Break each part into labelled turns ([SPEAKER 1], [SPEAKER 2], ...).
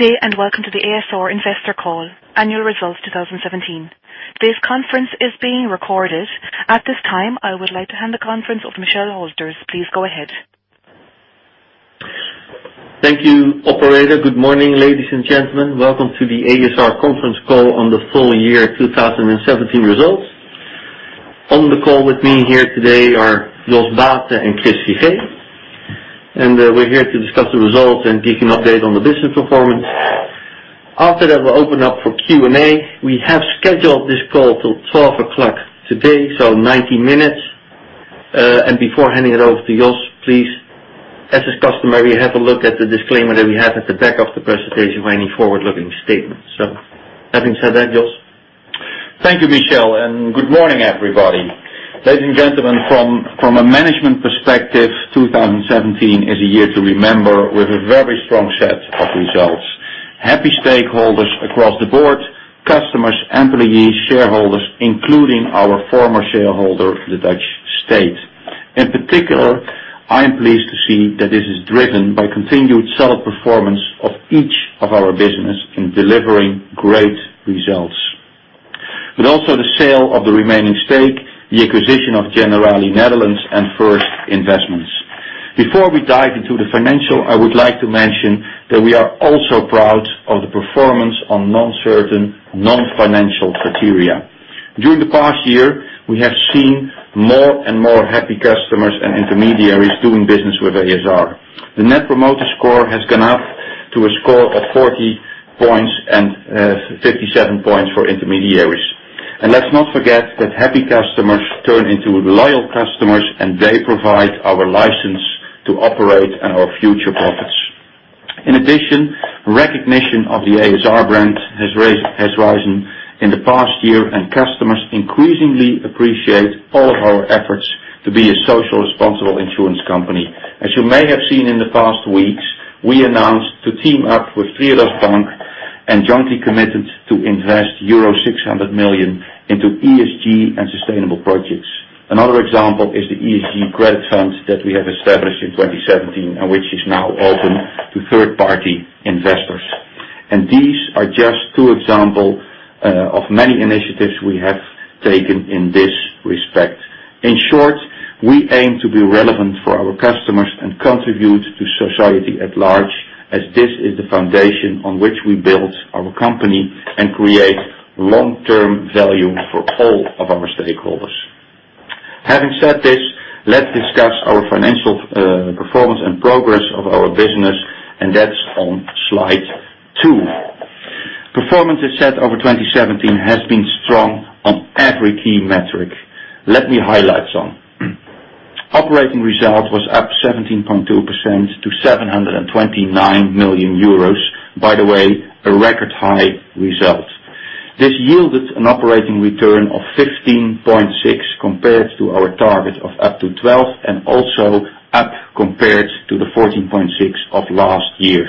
[SPEAKER 1] Good day, and welcome to the ASR investor call, annual results 2017. This conference is being recorded. At this time, I would like to hand the conference over to Michel Hülters. Please go ahead.
[SPEAKER 2] Thank you, operator. Good morning, ladies and gentlemen. Welcome to the ASR conference call on the full year 2017 results. On the call with me here today are Jos Baeten and Chris Figee. We're here to discuss the results and give an update on the business performance. After that, we'll open up for Q&A. We have scheduled this call till 12 o'clock today, so 90 minutes. Before handing it over to Jos, please, as is customary, have a look at the disclaimer that we have at the back of the presentation for any forward-looking statements. Having said that, Jos.
[SPEAKER 3] Thank you, Michel, good morning, everybody. Ladies and gentlemen, from a management perspective, 2017 is a year to remember with a very strong set of results. Happy stakeholders across the board, customers, employees, shareholders, including our former shareholder, the Dutch state. In particular, I am pleased to see that this is driven by continued solid performance of each of our business in delivering great results. Also the sale of the remaining stake, the acquisition of Generali Nederland, and First Investments. Before we dive into the financial, I would like to mention that we are also proud of the performance on non-certain, non-financial criteria. During the past year, we have seen more and more happy customers and intermediaries doing business with ASR. The net promoter score has gone up to a score of 40 points and 57 points for intermediaries. Let's not forget that happy customers turn into loyal customers, and they provide our license to operate and our future profits. In addition, recognition of the ASR brand has risen in the past year, and customers increasingly appreciate all of our efforts to be a social responsible insurance company. As you may have seen in the past weeks, we announced to team up with Triodos Bank and jointly committed to invest euro 600 million into ESG and sustainable projects. Another example is the ESG credit funds that we have established in 2017, which is now open to third-party investors. These are just two example of many initiatives we have taken in this respect. In short, we aim to be relevant for our customers and contribute to society at large, as this is the foundation on which we build our company and create long-term value for all of our stakeholders. Having said this, let's discuss our financial performance and progress of our business, that's on slide two. Performance is said over 2017 has been strong on every key metric. Let me highlight some. Operating result was up 17.2% to 729 million euros. By the way, a record high result. This yielded an operating return of 15.6% compared to our target of up to 12%, also up compared to the 14.6% of last year.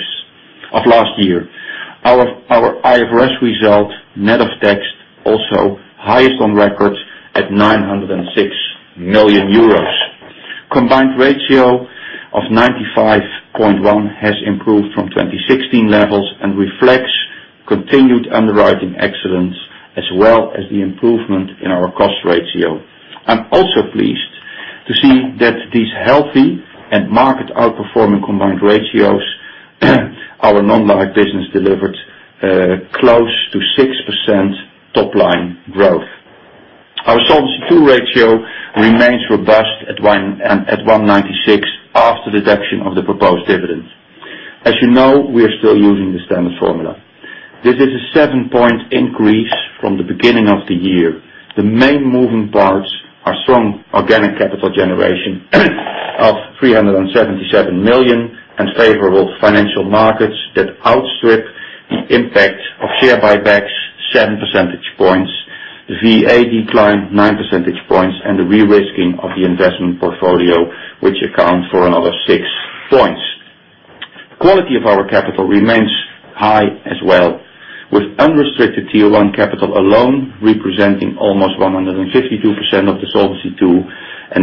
[SPEAKER 3] Our IFRS result, net of tax, also highest on record at 906 million euros. Combined ratio of 95.1% has improved from 2016 levels and reflects continued underwriting excellence, as well as the improvement in our cost ratio. I'm also pleased to see that these healthy and market outperforming combined ratios, our non-life business delivered close to 6% top-line growth. Our Solvency II ratio remains robust at 196% after deduction of the proposed dividend. As you know, we are still using the standard formula. This is a seven-point increase from the beginning of the year. The main moving parts are strong organic capital generation of 377 million and favorable financial markets that outstrip the impact of share buybacks, seven percentage points, VA decline, nine percentage points, and the re-risking of the investment portfolio, which accounts for another six points. The quality of our capital remains high as well, with unrestricted Tier 1 capital alone representing almost 152% of the Solvency II.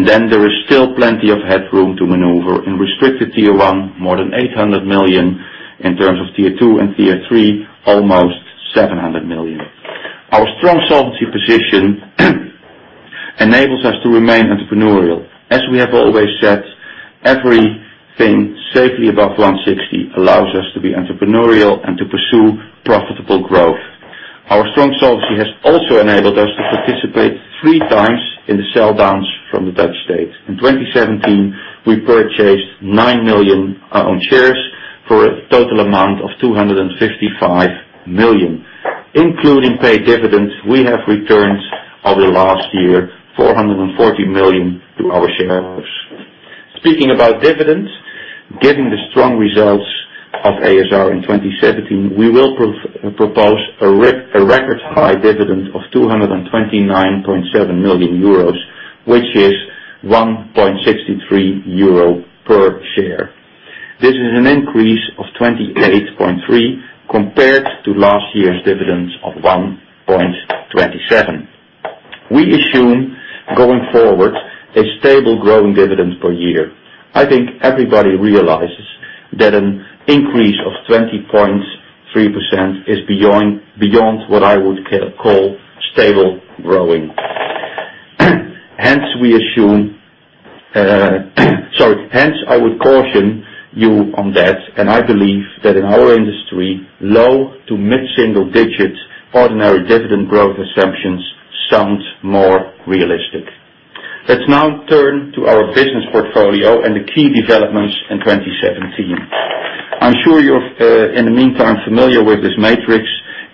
[SPEAKER 3] There is still plenty of headroom to maneuver in Restricted Tier 1, more than 800 million in terms of Tier 2 and Tier 3, almost 700 million. Our strong Solvency position enables us to remain entrepreneurial. As we have always said, everything safely above 160% allows us to be entrepreneurial and to pursue profitable growth. Our strong Solvency has also enabled us to participate three times in the sell downs from the Dutch state. In 2017, we purchased 9 million own shares for a total amount of 255 million. Including paid dividends, we have returned over the last year 440 million to our shareholders. Speaking about dividends, given the strong results of ASR in 2017, we will propose a record high dividend of 229.7 million euros, which is 1.63 euro per share. This is an increase of 28.3% compared to last year's dividends of 1.27. We assume going forward a stable growing dividend per year. I think everybody realizes that an increase of 28.3% is beyond what I would call stable growing. Hence, I would caution you on that, I believe that in our industry, low to mid-single digits, ordinary dividend growth assumptions sound more realistic. Let's now turn to our business portfolio and the key developments in 2017. I'm sure you're, in the meantime, familiar with this matrix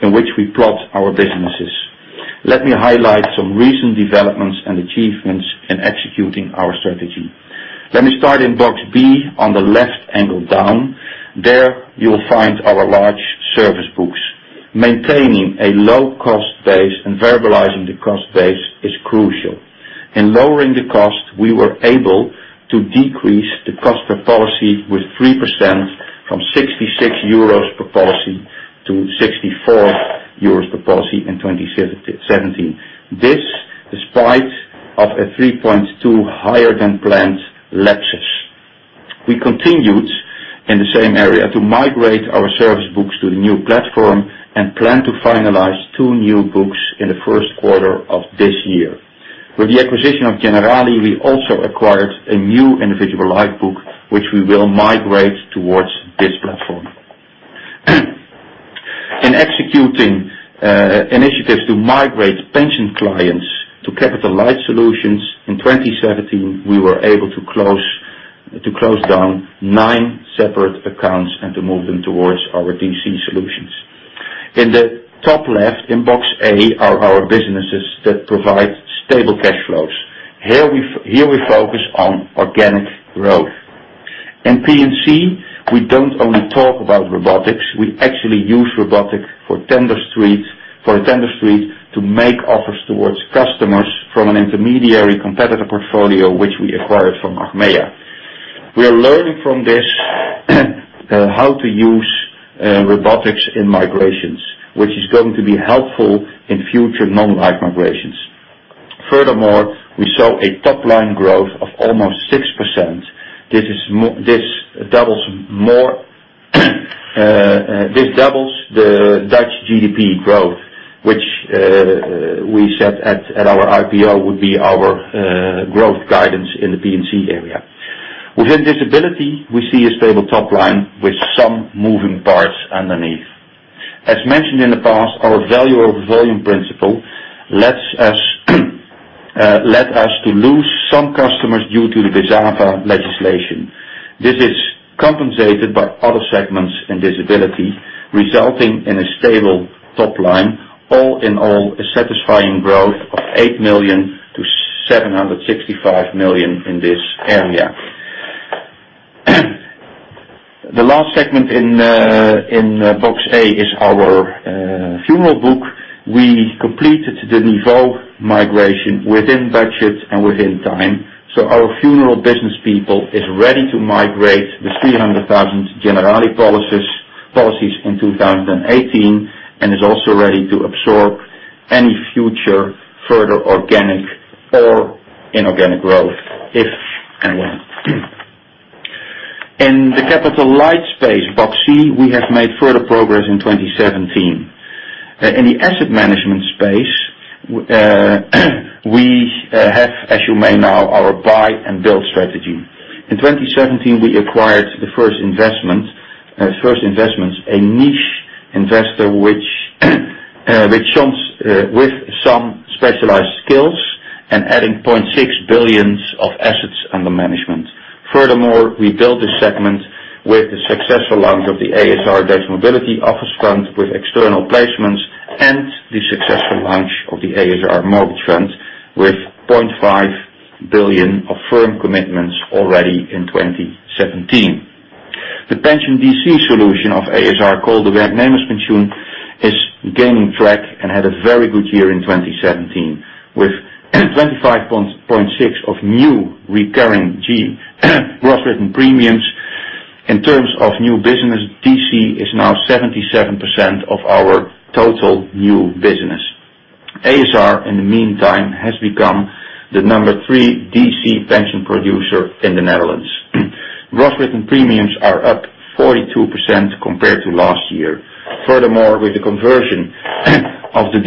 [SPEAKER 3] in which we plot our businesses. Let me highlight some recent developments and achievements in executing our strategy. Let me start in box B on the left angle down. There you will find our large service books. Maintaining a low cost base and variabilizing the cost base is crucial. In lowering the cost, we were able to decrease the cost per policy with 3%, from 66 euros per policy to 64 euros per policy in 2017. This despite a 3.2% higher than planned lapses. We continued in the same area to migrate our service books to the new platform and plan to finalize two new books in the first quarter of this year. With the acquisition of Generali, we also acquired a new individual life book, which we will migrate towards this platform. In executing initiatives to migrate pension clients to capital light solutions in 2017, we were able to close down nine separate accounts and to move them towards our DC solutions. In the top left, in box A, are our businesses that provide stable cash flows. Here we focus on organic growth. In P&C, we do not only talk about robotics, we actually use robotics for tender process to make offers towards customers from an intermediary competitor portfolio which we acquired from Achmea. We are learning from this how to use robotics in migrations, which is going to be helpful in future non-life migrations. Furthermore, we saw a top-line growth of almost 6%. This doubles the Dutch GDP growth, which we set at our IPO would be our growth guidance in the P&C area. Within disability, we see a stable top line with some moving parts underneath. As mentioned in the past, our value over volume principle led us to lose some customers due to the BeZaVa legislation. This is compensated by other segments in disability, resulting in a stable top line, all in all, a satisfying growth of 8 million to 765 million in this area. The last segment in box A is our funeral book. We completed the Deventer migration within budget and within time. Our funeral business people is ready to migrate the 300,000 Generali policies in 2018 and is also ready to absorb any future further organic or inorganic growth, if and when. In the capital light space, box C, we have made further progress in 2017. In the asset management space, we have, as you may know, our buy and build strategy. In 2017, we acquired the First Investments, a niche investor with some specialized skills and adding 0.6 billion of assets under management. Furthermore, we built this segment with the successful launch of the ASR Dutch Mobility Office Fund with external placements and the successful launch of the ASR Mortgage Fund with 0.5 billion of firm commitments already in 2017. The pension DC solution of ASR called the Werknemers Pensioen, is gaining traction and had a very good year in 2017 with 25.6% of new recurring growth written premiums. In terms of new business, DC is now 77% of our total new business. ASR, in the meantime, has become the number 3 DC pension producer in the Netherlands. Gross written premiums are up 42% compared to last year. Furthermore, with the conversion of the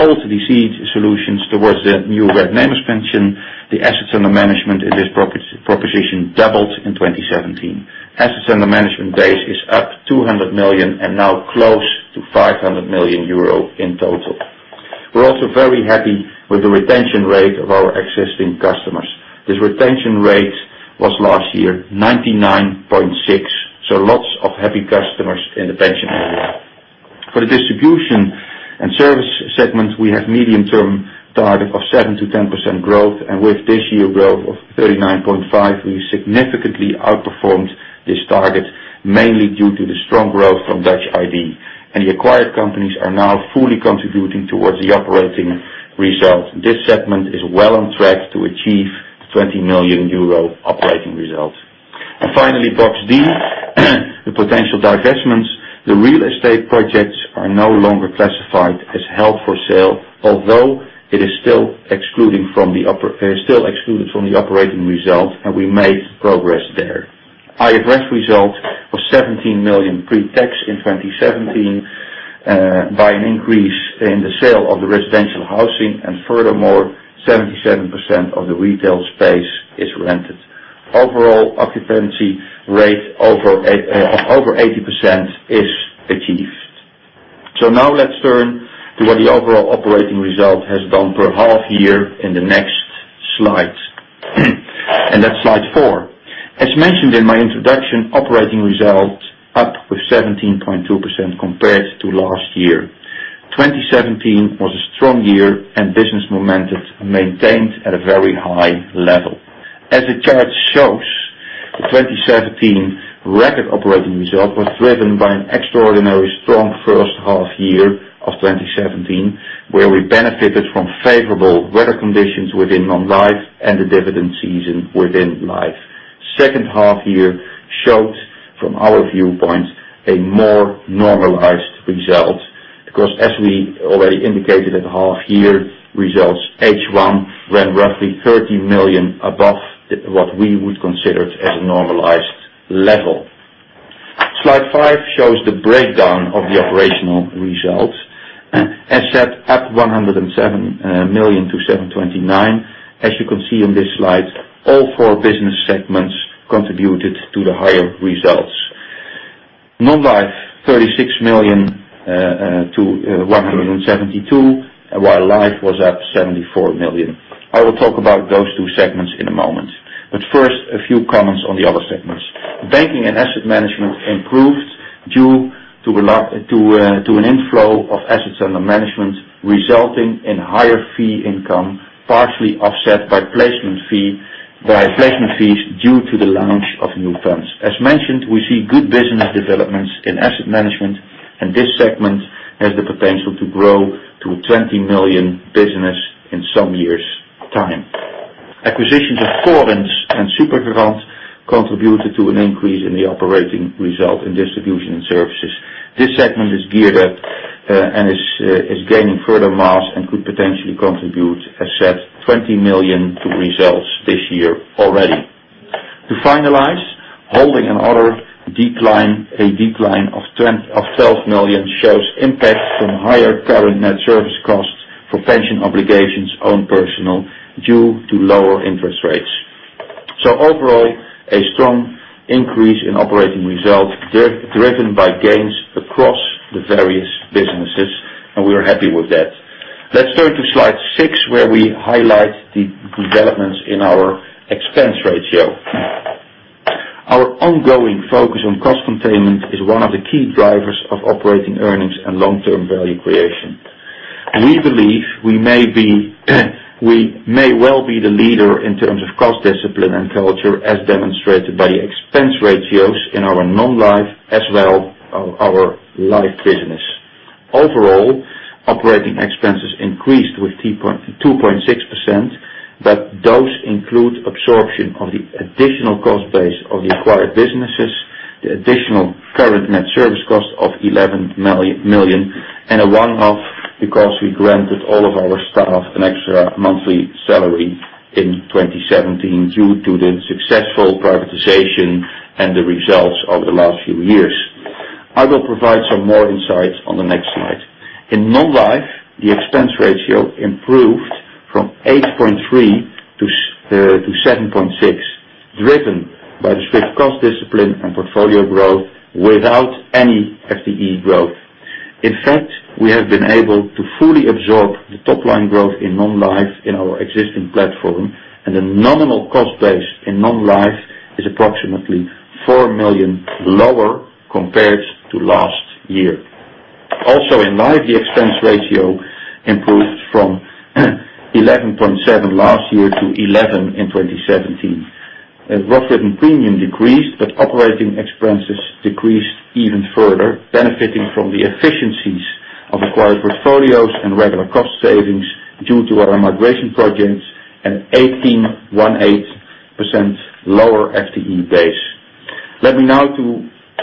[SPEAKER 3] old DC solutions towards the new Werknemers Pension, the assets under management in this proposition doubled in 2017. Assets under management base is up 200 million and now close to 500 million euro in total. We are also very happy with the retention rate of our existing customers. This retention rate was last year 99.6%. Lots of happy customers in the pension area. For the Distribution and Service segment, we have a medium-term target of 7%-10% growth. With this year's growth of 39.5%, we significantly outperformed this target, mainly due to the strong growth from Dutch ID. The acquired companies are now fully contributing towards the operating result. This segment is well on track to achieve 20 million euro operating result. Finally, box D, the potential divestments, the real estate projects are no longer classified as held for sale, although it is still excluded from the operating results. We made progress there. Higher rest result was 17 million pre-tax in 2017, by an increase in the sale of the residential housing. Furthermore, 77% of the retail space is rented. Overall occupancy rate over 80% is achieved. Now let's turn to what the overall operating result has done per half-year in the next slide. That's slide four. As mentioned in my introduction, operating results are up with 17.2% compared to last year. 2017 was a strong year. Business momentum maintained at a very high level. As the chart shows, the 2017 record operating result was driven by an extraordinarily strong first half-year of 2017, where we benefited from favorable weather conditions within Non-life and the dividend season within Life. Second half-year showed, from our viewpoint, a more normalized result, because as we already indicated at half-year results, H1 ran roughly 30 million above what we would consider as a normalized level. Slide five shows the breakdown of the operational results, as said, at 107 million to 729 million. As you can see on this slide, all four business segments contributed to the higher results. Non-life, 36 million to 172 million, while Life was at 74 million. I will talk about those two segments in a moment. First, a few comments on the other segments. Banking and Asset Management improved due to an inflow of assets under management, resulting in higher fee income, partially offset by placement fees due to the launch of new funds. As mentioned, we see good business developments in Asset Management. This segment has the potential to grow to a 20 million business in some years' time. Acquisitions of Corins and SuperGarant contributed to an increase in the operating result in Distribution and Services. This segment is geared up and is gaining further mass and could potentially contribute, as said, 20 million to results this year already. To finalize, Holding and Other declined. A decline of 12 million shows impact from higher current net service costs for pension obligations own personnel, due to lower interest rates. Overall, a strong increase in operating results, driven by gains across the various businesses. We are happy with that. Let's turn to slide six, where we highlight the developments in our expense ratio. Our ongoing focus on cost containment is one of the key drivers of operating earnings and long-term value creation. We believe we may well be the leader in terms of cost discipline and culture, as demonstrated by the expense ratios in our Non-life as well our Life business. Overall, operating expenses increased with 2.6%. Those include absorption of the additional cost base of the acquired businesses, the additional current net service cost of 11 million, and a one-off because we granted all of our staff an extra monthly salary in 2017 due to the successful privatization and the results over the last few years. I will provide some more insights on the next slide. In non-life, the expense ratio improved from 8.3% to 7.6%, driven by the strict cost discipline and portfolio growth without any FTE growth. In fact, we have been able to fully absorb the top-line growth in non-life in our existing platform, and the nominal cost base in non-life is approximately 4 million lower compared to last year. Also in life, the expense ratio improved from 11.7% last year to 11% in 2017. Gross written premium decreased, but operating expenses decreased even further, benefiting from the efficiencies of acquired portfolios and regular cost savings due to our migration projects and 18.18% lower FTE base. Let me now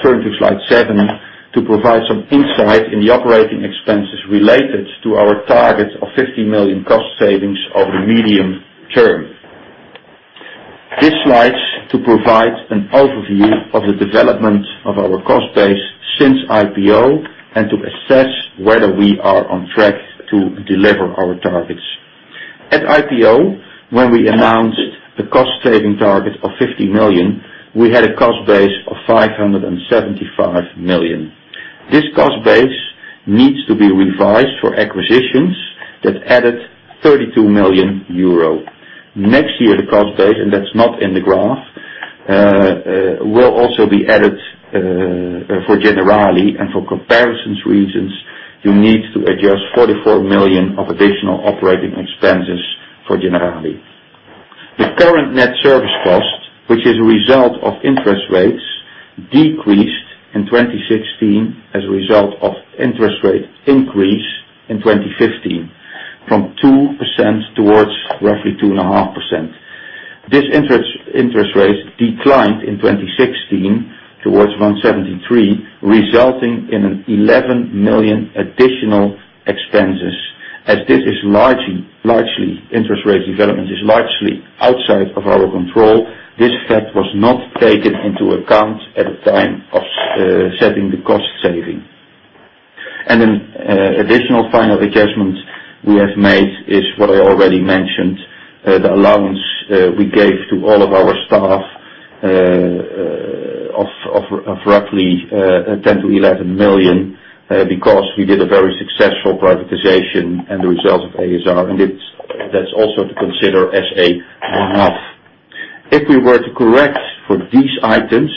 [SPEAKER 3] turn to slide seven to provide some insight in the operating expenses related to our target of 50 million cost savings over the medium term. This slide is to provide an overview of the development of our cost base since IPO and to assess whether we are on track to deliver our targets. At IPO, when we announced the cost-saving target of 50 million, we had a cost base of 575 million. This cost base needs to be revised for acquisitions that added 32 million euro. Next year, the cost base, and that is not in the graph, will also be added for Generali, and for comparison reasons, you need to adjust 44 million of additional operating expenses for Generali. The current net service cost, which is a result of interest rates, decreased in 2016 as a result of interest rate increase in 2015 from 2% towards roughly 2.5%. These interest rates declined in 2016 towards 1.73%, resulting in 11 million additional expenses. As this interest rate development is largely outside of our control, this fact was not taken into account at the time of setting the cost saving. An additional final adjustment we have made is what I already mentioned, the allowance we gave to all of our staff of roughly 10 million to 11 million, because we did a very successful privatization and the result of ASR, and that is also to consider as a one-off. If we were to correct for these items,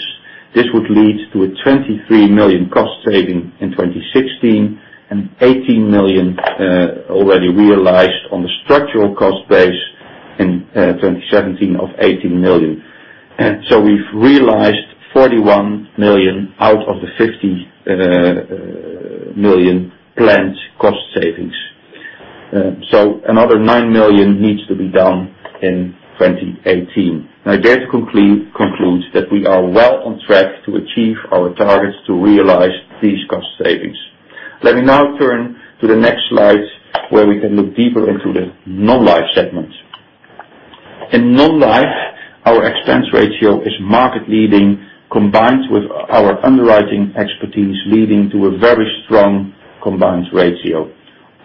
[SPEAKER 3] this would lead to a 23 million cost saving in 2016 and 18 million already realized on the structural cost base in 2017 of 18 million. We have realized 41 million out of the 50 million planned cost savings. Another 9 million needs to be done in 2018. I dare to conclude that we are well on track to achieve our targets to realize these cost savings. Let me now turn to the next slide where we can look deeper into the non-life segment. In non-life, our expense ratio is market leading, combined with our underwriting expertise, leading to a very strong combined ratio.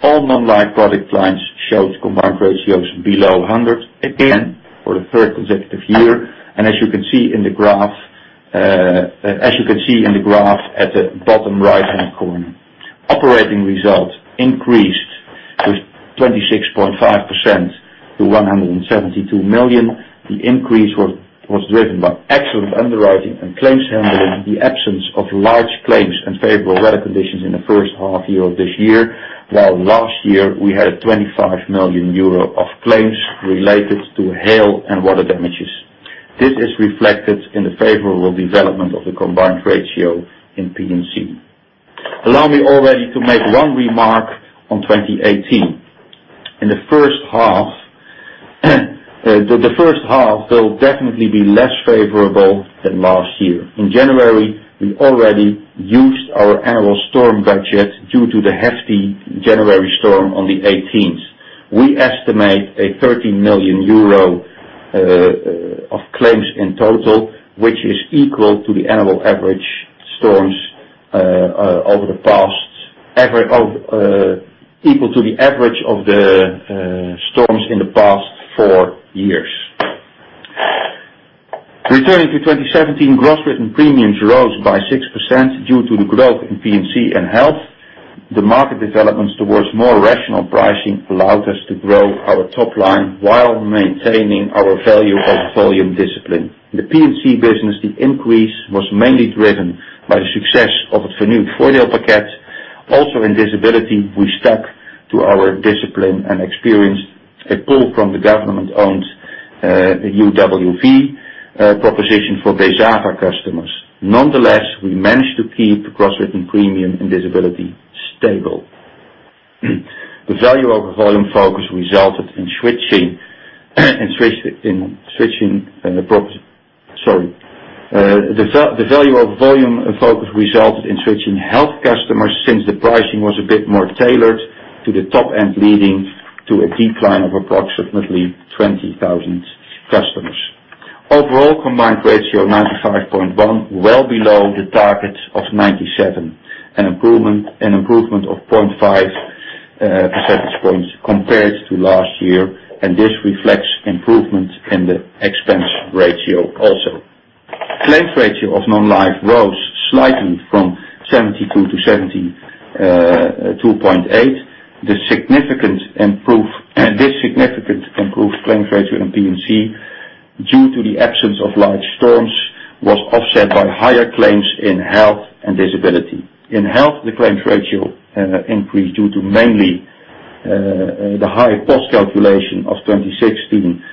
[SPEAKER 3] All non-life product lines showed combined ratios below 100% again for the third consecutive year. As you can see in the graph at the bottom right-hand corner. Operating results increased with 26.5% to 172 million. The increase was driven by excellent underwriting and claims handling, the absence of large claims and favorable weather conditions in the first half year of this year. While last year we had 25 million euro of claims related to hail and water damages. This is reflected in the favorable development of the combined ratio in P&C. Allow me already to make one remark on 2018. The first half will definitely be less favorable than last year. In January, we already used our annual storm budget due to the hefty January storm on the 18th. We estimate a 30 million euro of claims in total, which is equal to the average of the storms in the past four years. Returning to 2017, gross written premiums rose by 6% due to the growth in P&C and health. The market developments towards more rational pricing allowed us to grow our top line while maintaining our value of volume discipline. The P&C business, the increase was mainly driven by the success of the renewed 48 ticket. Also in disability, we stuck to our discipline and experienced a pull from the government-owned UWV proposition for BeZaVa customers. Nonetheless, we managed to keep the gross written premium and disability stable. The value of volume focus resulted in switching health customers since the pricing was a bit more tailored to the top end, leading to a decline of approximately 20,000 customers. Overall combined ratio 95.1, well below the target of 97. An improvement of 0.5 percentage points compared to last year. This reflects improvement in the expense ratio also. Claims ratio of non-life rose slightly from 72 to 72.8. This significant improved claims ratio in P&C, due to the absence of large storms, was offset by higher claims in health and disability. In health, the claims ratio increased due to mainly the high cost calculation of 2016,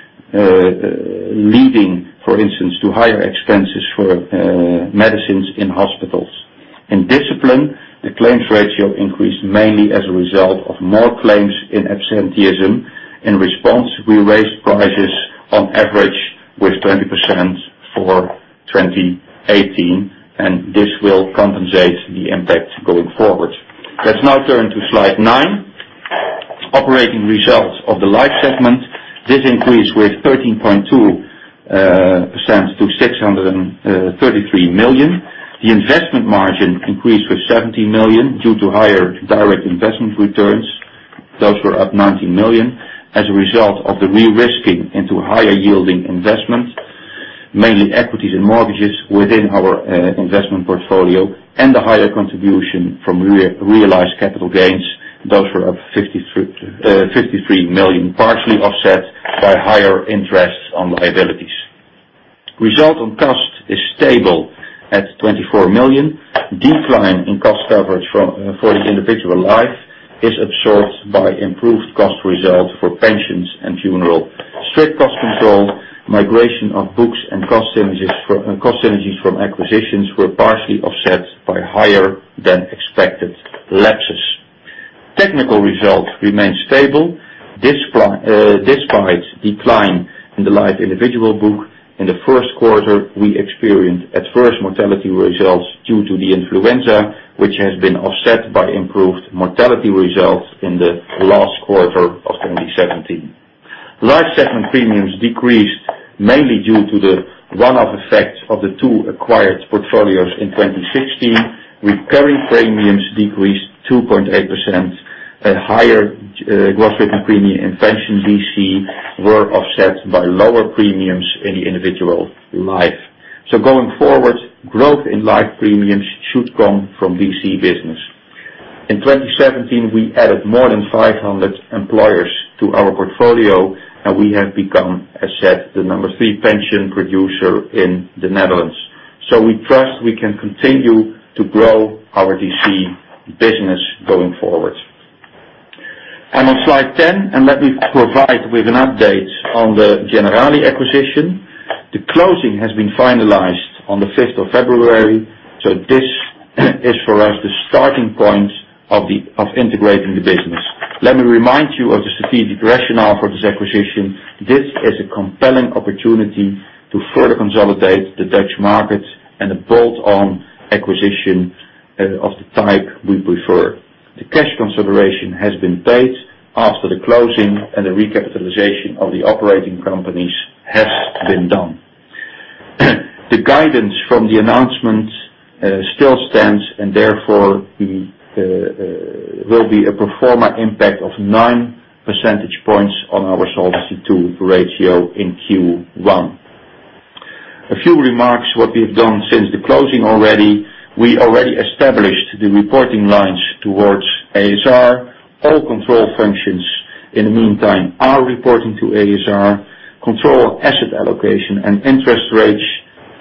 [SPEAKER 3] leading, for instance, to higher expenses for medicines in hospitals. In disability, the claims ratio increased mainly as a result of more claims in absenteeism. In response, we raised prices on average with 20% for 2018. This will compensate the impact going forward. Let's now turn to slide 9. Operating results of the life segment. This increased with 13.2% to 633 million. The investment margin increased with 70 million due to higher direct investment returns. Those were up 19 million as a result of the re-risking into higher yielding investments, mainly equities and mortgages within our investment portfolio and the higher contribution from realized capital gains. Those were up 53 million, partially offset by higher interests on liabilities. Result on cost is stable at 24 million. Decline in cost coverage for the individual life is absorbed by improved cost result for pensions and funeral. Strict cost control, migration of books and cost synergies from acquisitions were partially offset by higher than expected lapses. Technical results remain stable despite decline in the life individual book. In the first quarter, we experienced adverse mortality results due to the influenza, which has been offset by improved mortality results in the last quarter of 2017. Life segment premiums decreased mainly due to the one-off effects of the two acquired portfolios in 2016. Recurring premiums decreased 2.8%. Higher gross written premium in pension DC were offset by lower premiums in the individual life. Going forward, growth in life premiums should come from DC business. In 2017, we added more than 500 employers to our portfolio, and we have become, as said, the number three pension producer in the Netherlands. We trust we can continue to grow our DC business going forward. I'm on slide 10. Let me provide with an update on the Generali acquisition. The closing has been finalized on the 5th of February. This is for us the starting point of integrating the business. Let me remind you of the strategic rationale for this acquisition. This is a compelling opportunity to further consolidate the Dutch market and a bolt-on acquisition of the type we prefer. The cash consideration has been paid after the closing and the recapitalization of the operating companies has been done. The guidance from the announcement still stands and therefore will be a pro forma impact of nine percentage points on our Solvency II ratio in Q1. A few remarks what we have done since the closing already. We already established the reporting lines towards ASR. All control functions in the meantime are reporting to ASR. Control asset allocation and interest rates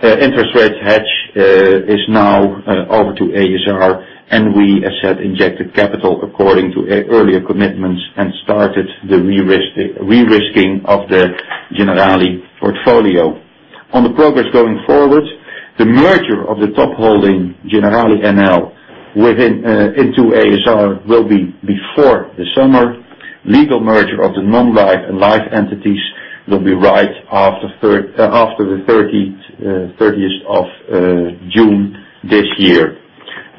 [SPEAKER 3] hedge is now over to ASR, and we, as said, injected capital according to earlier commitments and started the re-risking of the Generali portfolio. On the progress going forward, the merger of the top holding Generali NL into ASR will be before the summer. Legal merger of the non-life and life entities will be right after the 30th of June this year.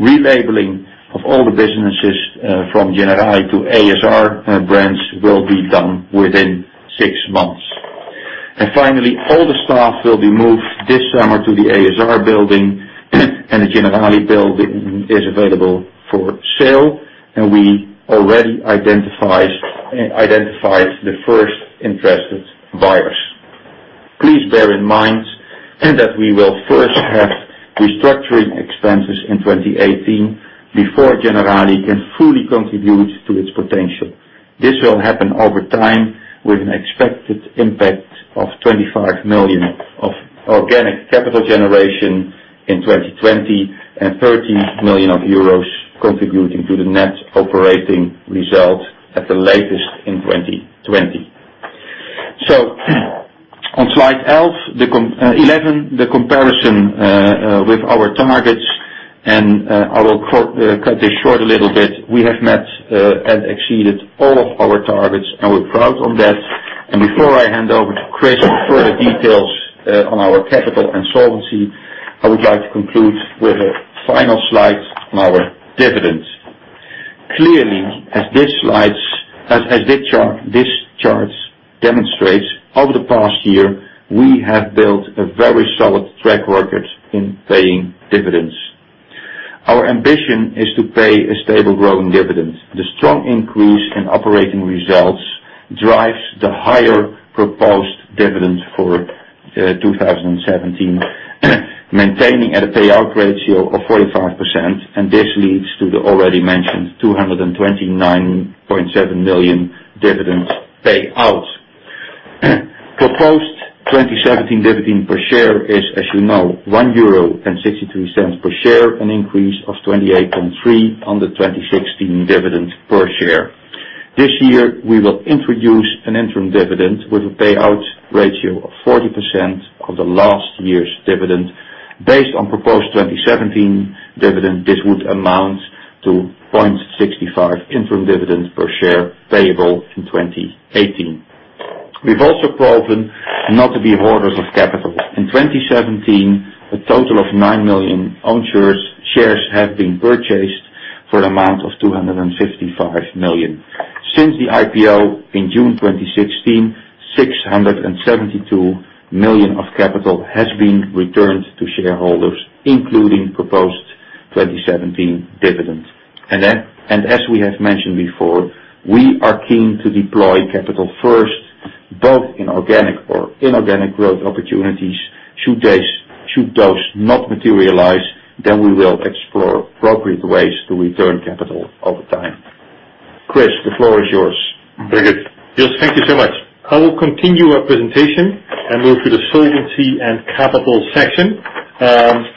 [SPEAKER 3] Relabeling of all the businesses from Generali to ASR brands will be done within six months. Finally, all the staff will be moved this summer to the ASR building, and the Generali building is available for sale, and we already identified the first interested buyers. Please bear in mind that we will first have restructuring expenses in 2018 before Generali can fully contribute to its potential. This will happen over time with an expected impact of 25 million of Organic Capital Creation in 2020 and 30 million euros contributing to the net operating result at the latest in 2020. On slide 11, the comparison with our targets, I will cut this short a little bit. We have met and exceeded all of our targets, and we're proud on that. Before I hand over to Chris for further details on our capital and solvency, I would like to conclude with a final slide on our dividends. Clearly, as this chart demonstrates, over the past year, we have built a very solid track record in paying dividends. Our ambition is to pay a stable growing dividend. The strong increase in operating results drives the higher proposed dividend for 2017, maintaining at a payout ratio of 45%, and this leads to the already mentioned 229.7 million dividend payout. Proposed 2017 dividend per share is, as you know, 1.63 euro per share, an increase of 28.3% on the 2016 dividend per share. This year, we will introduce an interim dividend with a payout ratio of 40% of the last year's dividend. Based on proposed 2017 dividend, this would amount to 0.65 interim dividend per share payable in 2018. We've also proven not to be hoarders of capital. In 2017, a total of 9 million own shares have been purchased for an amount of 255 million. Since the IPO in June 2016, 672 million of capital has been returned to shareholders, including proposed 2017 dividend. As we have mentioned before, we are keen to deploy capital first, both in organic or inorganic growth opportunities. Should those not materialize, then we will explore appropriate ways to return capital over time. Chris, the floor is yours.
[SPEAKER 4] Very good. Jos, thank you so much. I will continue our presentation and move to the solvency and capital section.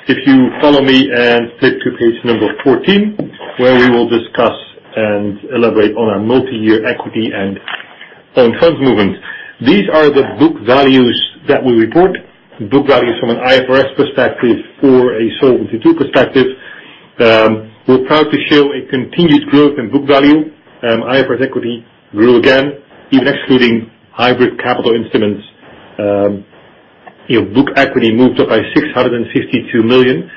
[SPEAKER 4] If you follow me and flip to page 14, where we will discuss and elaborate on our multi-year equity and Own funds movement. These are the book values that we report, book values from an IFRS perspective or a Solvency II perspective. We're proud to show a continued growth in book value. IFRS equity grew again, even excluding hybrid capital instruments. Book equity moved up by 662 million,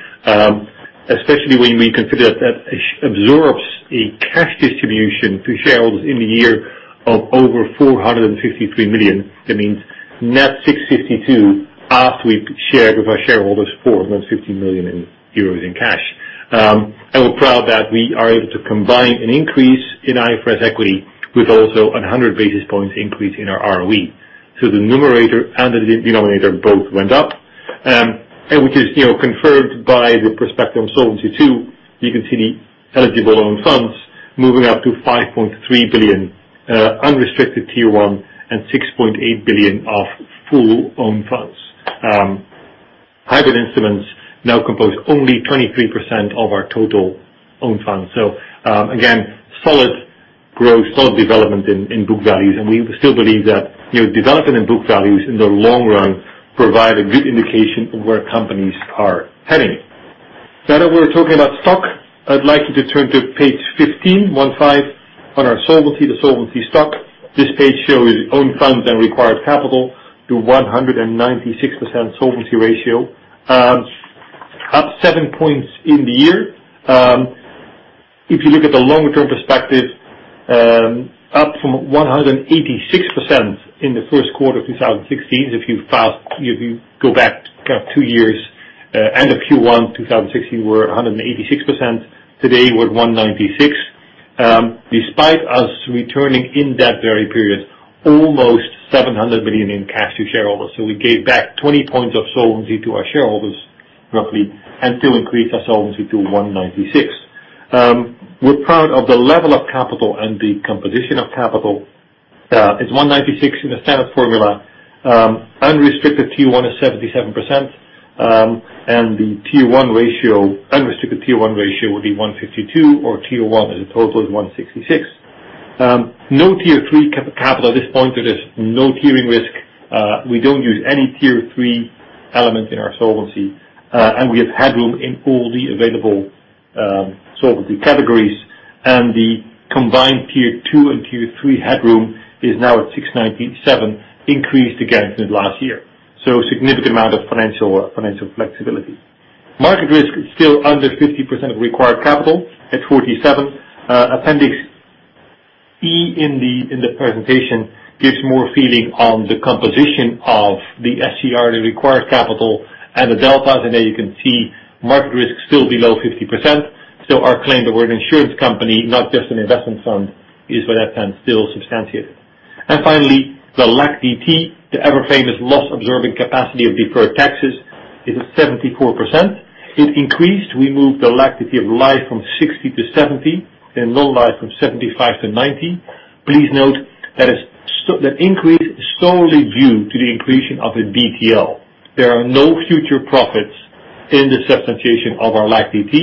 [SPEAKER 4] especially when you may consider that absorbs a cash distribution to shareholders in the year of over 453 million. That means net 652 million, after we've shared with our shareholders 450 million euros in cash. We're proud that we are able to combine an increase in IFRS equity with also a 100 basis points increase in our ROE. The numerator and the denominator both went up, which is confirmed by the perspective on Solvency II. You can see the eligible own funds moving up to 5.3 billion unrestricted Tier 1, 6.8 billion of full own funds. Hybrid instruments now compose only 23% of our total own funds. Solid growth, solid development in book values. We still believe that development in book values, in the long run, provide a good indication of where companies are heading. Now that we're talking about stock, I'd like you to turn to page 15 on our solvency, the solvency stock. This page shows own funds and required capital to 196% solvency ratio, up seven points in the year. If you look at the longer-term perspective, up from 186% in the first quarter of 2016. If you go back two years, end of Q1 2016, we're 186%. Today, we're at 196%, despite us returning, in that very period, almost 700 million in cash to shareholders. We gave back 20 points of solvency to our shareholders, roughly, and still increased our solvency to 196%. We're proud of the level of capital and the composition of capital. It's 196% in the standard formula. Unrestricted Tier 1 is 77%, the unrestricted Tier 1 ratio would be 152% or Tier 1 as a total is 166%. No Tier 3 capital at this point. There is no tiering risk. We don't use any Tier 3 element in our solvency. We have headroom in all the available solvency categories. The combined Tier 2 and Tier 3 headroom is now at 697 million, increased again from last year. A significant amount of financial flexibility. Market risk is still under 50% of required capital at 47%. Appendix E in the presentation gives more feeling on the composition of the SCR, the required capital, and the deltas. There you can see market risk still below 50%. Our claim that we're an insurance company, not just an investment fund, is with that plan still substantiate. Finally, the LAC-DT, the ever-famous loss absorbing capacity of deferred taxes, is at 74%. It increased. We moved the LAC-DT of life from 60% to 70% and non-life from 75% to 90%. Please note that increase is solely due to the increase of a DTL. There are no future profits in the substantiation of our LAC-DT.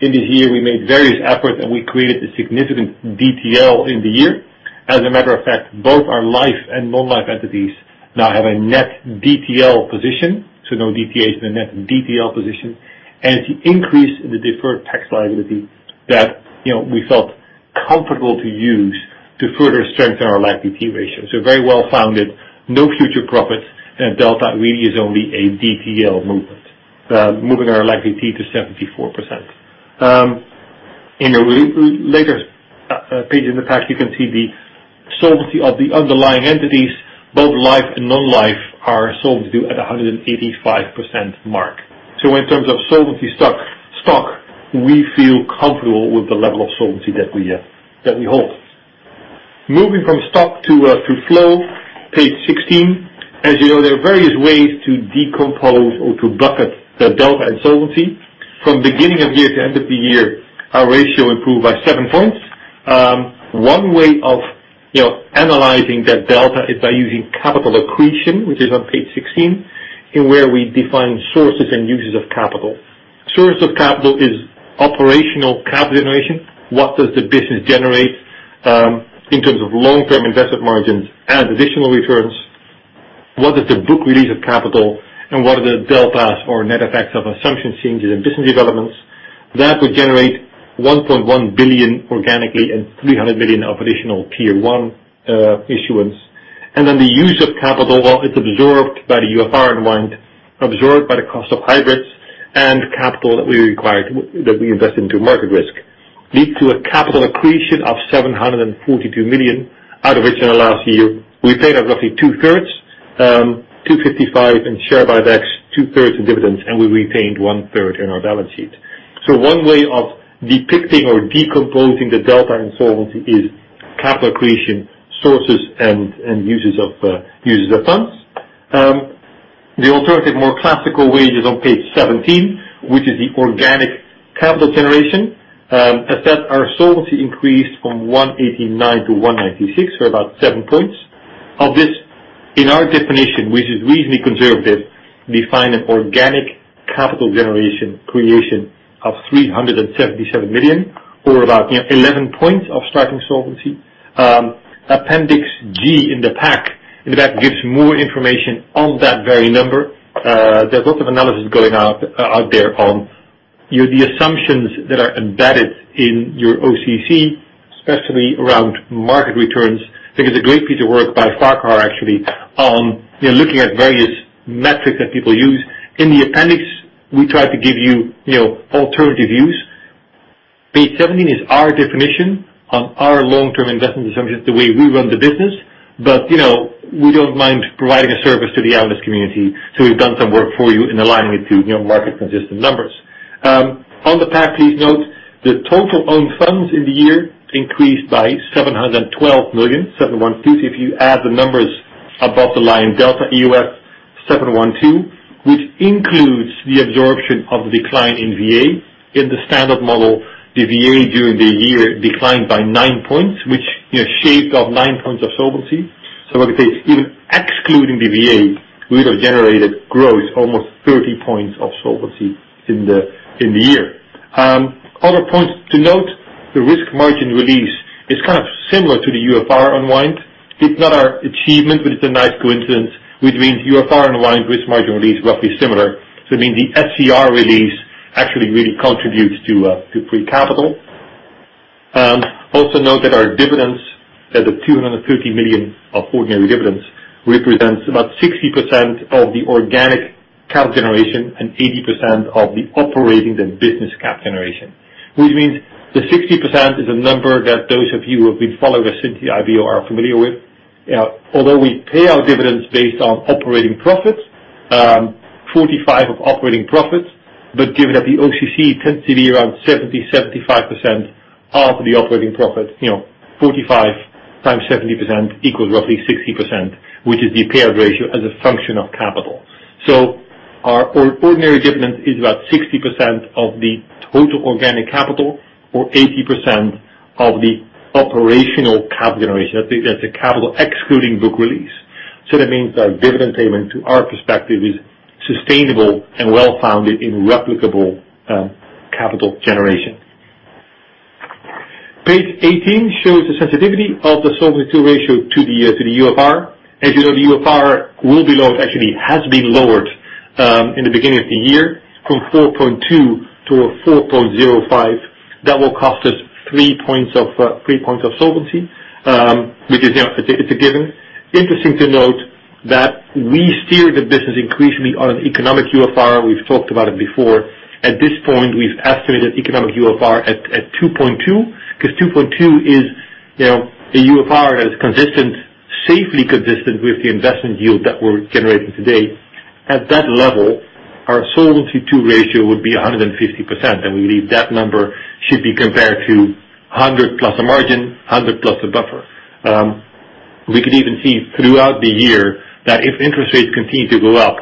[SPEAKER 4] In this year, we made various efforts, we created a significant DTL in the year. As a matter of fact, both our life and non-life entities now have a net DTL position. No DTAs in the net DTL position. It's the increase in the Deferred Tax Liability that we felt comfortable to use to further strengthen our LAC-DT ratio. Very well-founded, no future profits, Delta really is only a DTL movement, moving our LAC-DT to 74%. In a later page in the pack, you can see the solvency of the underlying entities, both life and non-life, are solvency at 185% mark. In terms of solvency stock, we feel comfortable with the level of solvency that we hold. Moving from stock to flow, page 16. As you know, there are various ways to decompose or to bucket the delta and solvency. From beginning of year to end of the year, our ratio improved by seven points. One way of analyzing that delta is by using capital accretion, which is on page 16, in where we define sources and uses of capital. Source of capital is operational capital generation. What does the business generate in terms of long-term investment margins and additional returns? What is the book release of capital? What are the deltas or net effects of assumption changes and business developments? That would generate 1.1 billion organically and 300 million of additional Tier 1 issuance. The use of capital is absorbed by the UFR in mind, absorbed by the cost of hybrids, and capital that we invest into market risk, leads to a capital accretion of 742 million, out of which in the last year, we paid out roughly two-thirds, 255 million in share buybacks, two-thirds in dividends, and we retained one-third in our balance sheet. One way of depicting or decomposing the delta in solvency is capital accretion sources and uses of funds. The alternative, more classical way, is on page 17, which is the organic capital generation, as that our solvency increased from 189 to 196, or about seven points. Of this, in our definition, which is reasonably conservative, we find an Organic Capital Creation of 377 million, or about 11 points of striking solvency. Appendix G in the pack, in the back, gives more information on that very number. There's a lot of analysis going out there on the assumptions that are embedded in your OCC, especially around market returns. There is a great piece of work by Farcar, actually, on looking at various metrics that people use. In the appendix, we try to give you alternative views. Page 17 is our definition on our long-term investment assumptions, the way we run the business. We don't mind providing a service to the analyst community, we've done some work for you in aligning it to market-consistent numbers. On the pack, please note the total own funds in the year increased by 712 million, 712 million. If you add the numbers above the line, delta EOF 712 million, which includes the absorption of the decline in VA. In the standard formula, the VA during the year declined by nine points, which shaved off nine points of solvency. Let me say, even excluding the VA, we would have generated growth almost 30 points of solvency in the year. Other points to note, the risk margin release is kind of similar to the UFR unwind. It's not our achievement, but it's a nice coincidence, which means UFR unwind, risk margin release, roughly similar. It means the SCR release actually really contributes to free capital. Note that our dividends as a 230 million of ordinary dividends represents about 60% of the organic capital generation and 80% of the operating business capital generation. This means the 60% is a number that those of you who have been following us since the IPO are familiar with. We pay our dividends based on operating profits, 45% of operating profits. Given that the OCC tends to be around 70%-75% of the operating profit, 45 times 70% equals roughly 60%, which is the payout ratio as a function of capital. Our ordinary dividend is about 60% of the total organic capital or 80% of the operational capital generation. That's the capital excluding book release. That means our dividend payment, from our perspective, is sustainable and well-founded in replicable capital generation. Page 18 shows the sensitivity of the Solvency II ratio to the UFR. You know, the UFR will be lowered, actually, it has been lowered, in the beginning of the year from 4.2 to 4.05. That will cost us three points of solvency, which is a given. Interesting to note that we steer the business increasingly on an economic UFR. We've talked about it before. At this point, we've estimated economic UFR at 2.2, because 2.2 is the UFR that is consistent, safely consistent, with the investment yield that we're generating today. At that level, our Solvency II ratio would be 150%, and we believe that number should be compared to 100% plus a margin, 100% plus a buffer. We could even see throughout the year that if interest rates continue to go up,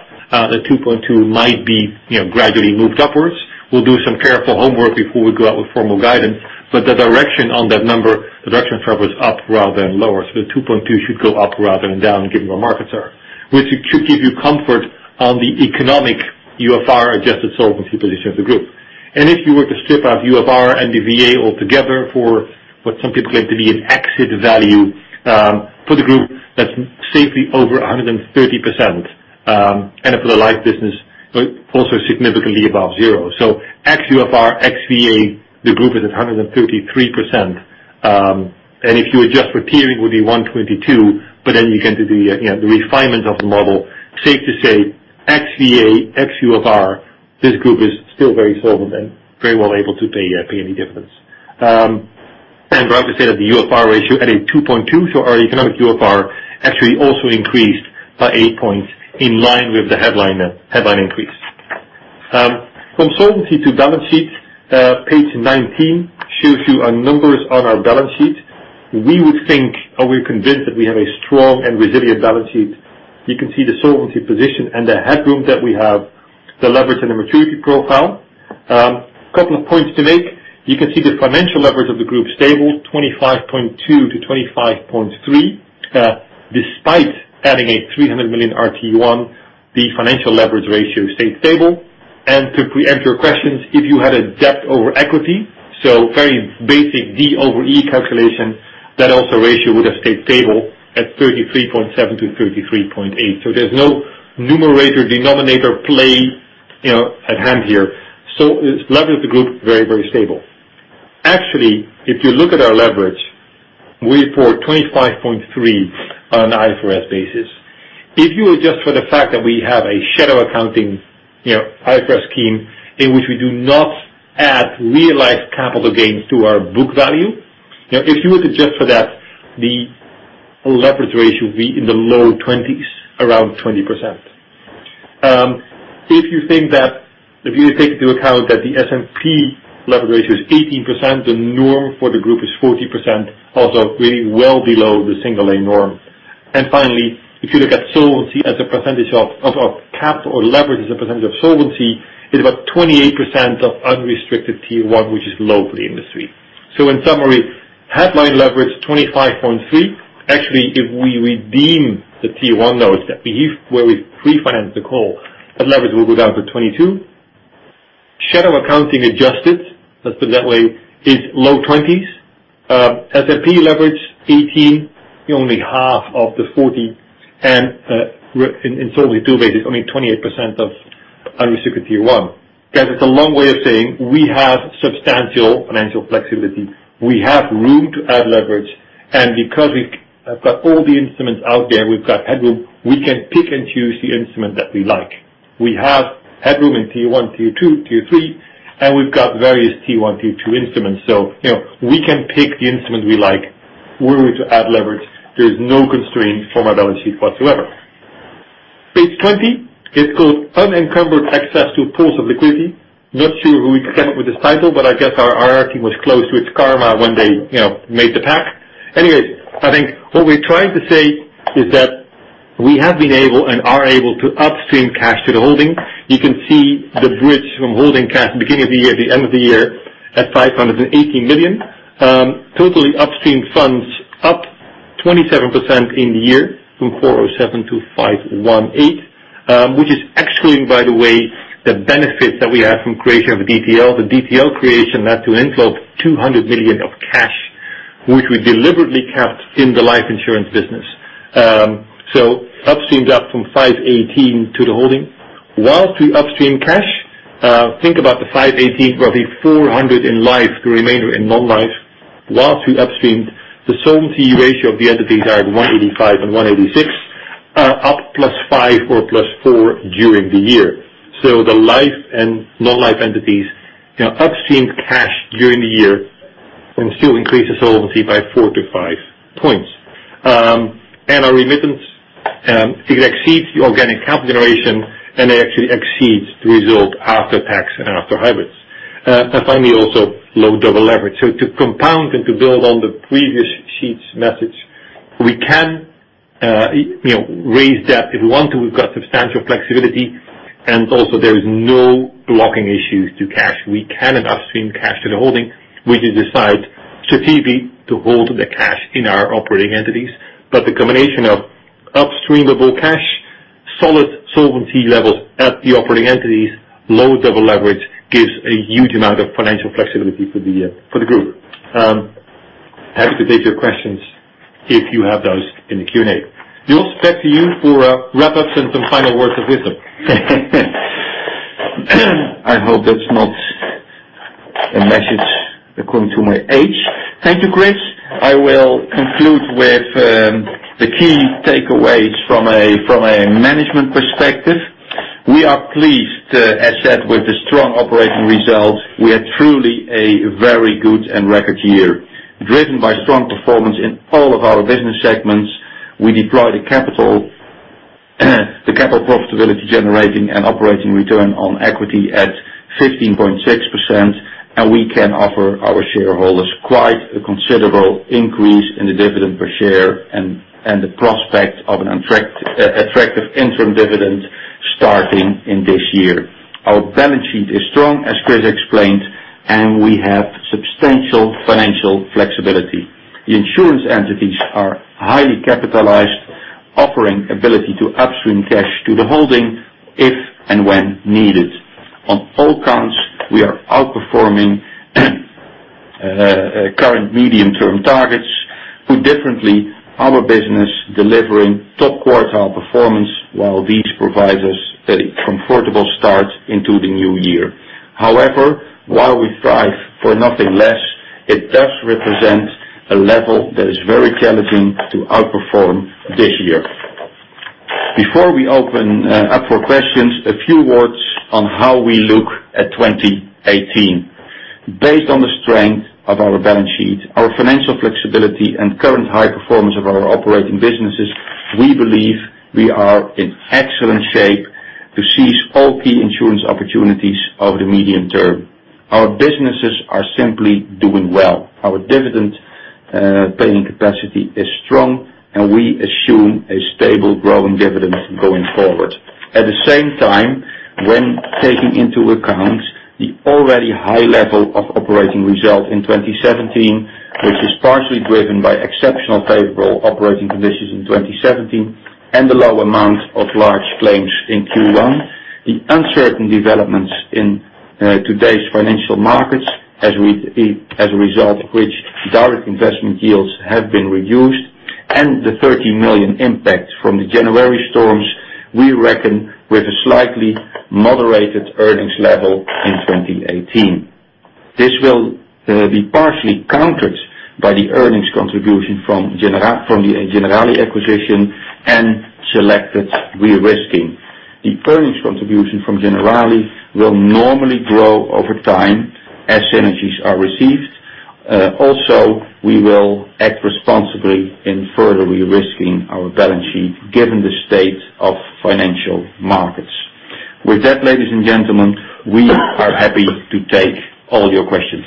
[SPEAKER 4] the 2.2 might be gradually moved upwards. We'll do some careful homework before we go out with formal guidance, the direction on that number, the direction travel is up rather than lower. The 2.2 should go up rather than down, given where markets are. This should give you comfort on the economic UFR-adjusted solvency position of the group. If you were to strip out UFR and the VA altogether for what some people claim to be an exit value, for the group, that's safely over 130%, and for the life business, also significantly above zero. Ex UFR, ex VA, the group is at 133%, and if you adjust for tiering would be 122%, then you get into the refinement of the model. Safe to say, ex VA, ex UFR, this group is still very solvent and very well able to pay any dividends. We're happy to say that the UFR ratio at 2.2, our economic UFR actually also increased by eight points in line with the headline increase. From Solvency II balance sheets, page 19 shows you our numbers on our balance sheet. We would think, or we are convinced, that we have a strong and resilient balance sheet. You can see the solvency position and the headroom that we have, the leverage and the maturity profile. A couple of points to make. You can see the financial leverage of the group stable, 25.2%-25.3%. Despite adding a 300 million RT1, the financial leverage ratio stayed stable. To pre-empt your questions, if you had a debt-to-equity, a very basic D/E calculation, that also ratio would have stayed stable at 33.7%-33.8%. There's no numerator denominator play at hand here. Leverage of the group, very stable. Actually, if you look at our leverage, we report 25.3% on an IFRS basis. If you adjust for the fact that we have a shadow accounting IFRS scheme in which we do not add realized capital gains to our book value, if you were to adjust for that, the leverage ratio would be in the low 20s, around 20%. If you think, if you take into account that the S&P leverage ratio is 18%, the norm for the group is 40%, also really well below the single A norm. Finally, if you look at solvency as a percentage of capital or leverage as a percentage of solvency, it is about 28% of unrestricted Tier 1, which is low for the industry. In summary, headline leverage 25.3%. Actually, if we redeem the T1 notes where we pre-financed the call, that leverage will go down to 22%. Shadow accounting adjusted, let us put it that way, is low 20s. S&P leverage 18%, only half of the 40%, and in Solvency II rated, only 28% of unsecured T1. Guys, it is a long way of saying we have substantial financial flexibility. We have room to add leverage. Because we have got all the instruments out there, we have got headroom, we can pick and choose the instrument that we like. We have headroom in T1, T2, T3. We have got various T1, T2 instruments. We can pick the instrument we like were we to add leverage. There is no constraint from our balance sheet whatsoever. Page 20 is called unencumbered access to pools of liquidity. Not sure who came up with this title. I guess our IR team was close with Karma when they made the pack. I think what we are trying to say is that we have been able and are able to upstream cash to the holding. You can see the bridge from holding cash at the beginning of the year to the end of the year at 580 million. Totally upstream funds up 27% in the year from 407 million to 518 million, which is excluding, by the way, the benefit that we have from creation of DTL. The DTL creation led to an inflow of 200 million of cash, which we deliberately kept in the life insurance business. Upstream is up from 518 million to the holding. Whilst we upstream cash, think about the 518 million, probably 400 million in life, the remainder in non-life. Whilst we upstreamed, the solvency ratio of the entities are at 185% and 186%, up +5% or +4% during the year. The life and non-life entities upstreamed cash during the year and still increased the solvency by four to five points. Our remittance, it exceeds the organic capital generation. It actually exceeds the result after tax and after hybrids. Finally, also low double leverage. To compound and to build on the previous sheet's message, we can raise debt if we want to. We have got substantial flexibility. Also, there is no blocking issues to cash. We can upstream cash to the holding. We just decide strategically to hold the cash in our operating entities. The combination of upstreamable cash, solid solvency levels at the operating entities, low double leverage, gives a huge amount of financial flexibility for the group. Happy to take your questions if you have those in the Q&A. Jos, back to you for wrap-ups and some final words of wisdom.
[SPEAKER 3] I hope that's not a message according to my age. Thank you, Chris. I will conclude with the key takeaways from a management perspective. We are pleased, as said, with the strong operating results. We had truly a very good and record year. Driven by strong performance in all of our business segments, we deployed the capital profitability generating and operating return on equity at 15.6%, and we can offer our shareholders quite a considerable increase in the dividend per share and the prospect of an attractive interim dividend starting in this year. Our balance sheet is strong, as Chris explained, and we have substantial financial flexibility. The insurance entities are highly capitalized, offering ability to upstream cash to the holding if and when needed. On all counts, we are outperforming current medium-term targets. Put differently, our business delivering top quartile performance, while this provides us a comfortable start into the new year. However, while we strive for nothing less, it does represent a level that is very challenging to outperform this year. Before we open up for questions, a few words on how we look at 2018. Based on the strength of our balance sheet, our financial flexibility, and current high performance of our operating businesses, we believe we are in excellent shape to seize all key insurance opportunities over the medium term. Our businesses are simply doing well. Our dividend paying capacity is strong, and we assume a stable growing dividend going forward. At the same time, when taking into account the already high level of operating result in 2017, which is partially driven by exceptional favorable operating conditions in 2017 and the low amount of large claims in Q1, the uncertain developments in today's financial markets, as a result of which direct investment yields have been reduced, and the 30 million impact from the January storms, we reckon with a slightly moderated earnings level in 2018. This will be partially countered by the earnings contribution from the Generali acquisition and selected de-risking. The earnings contribution from Generali will normally grow over time as synergies are received. Also, we will act responsibly in further de-risking our balance sheet given the state of financial markets. With that, ladies and gentlemen, we are happy to take all your questions.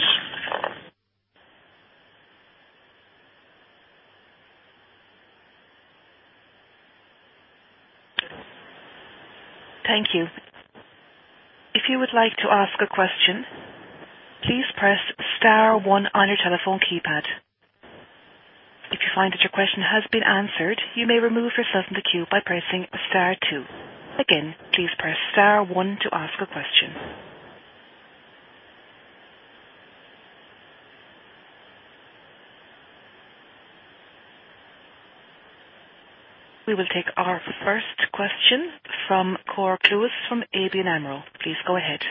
[SPEAKER 1] Thank you. If you would like to ask a question, please press star one on your telephone keypad. If you find that your question has been answered, you may remove yourself from the queue by pressing star two. Again, please press star one to ask a question. We will take our first question from Cor Kluis from ABN AMRO. Please go ahead.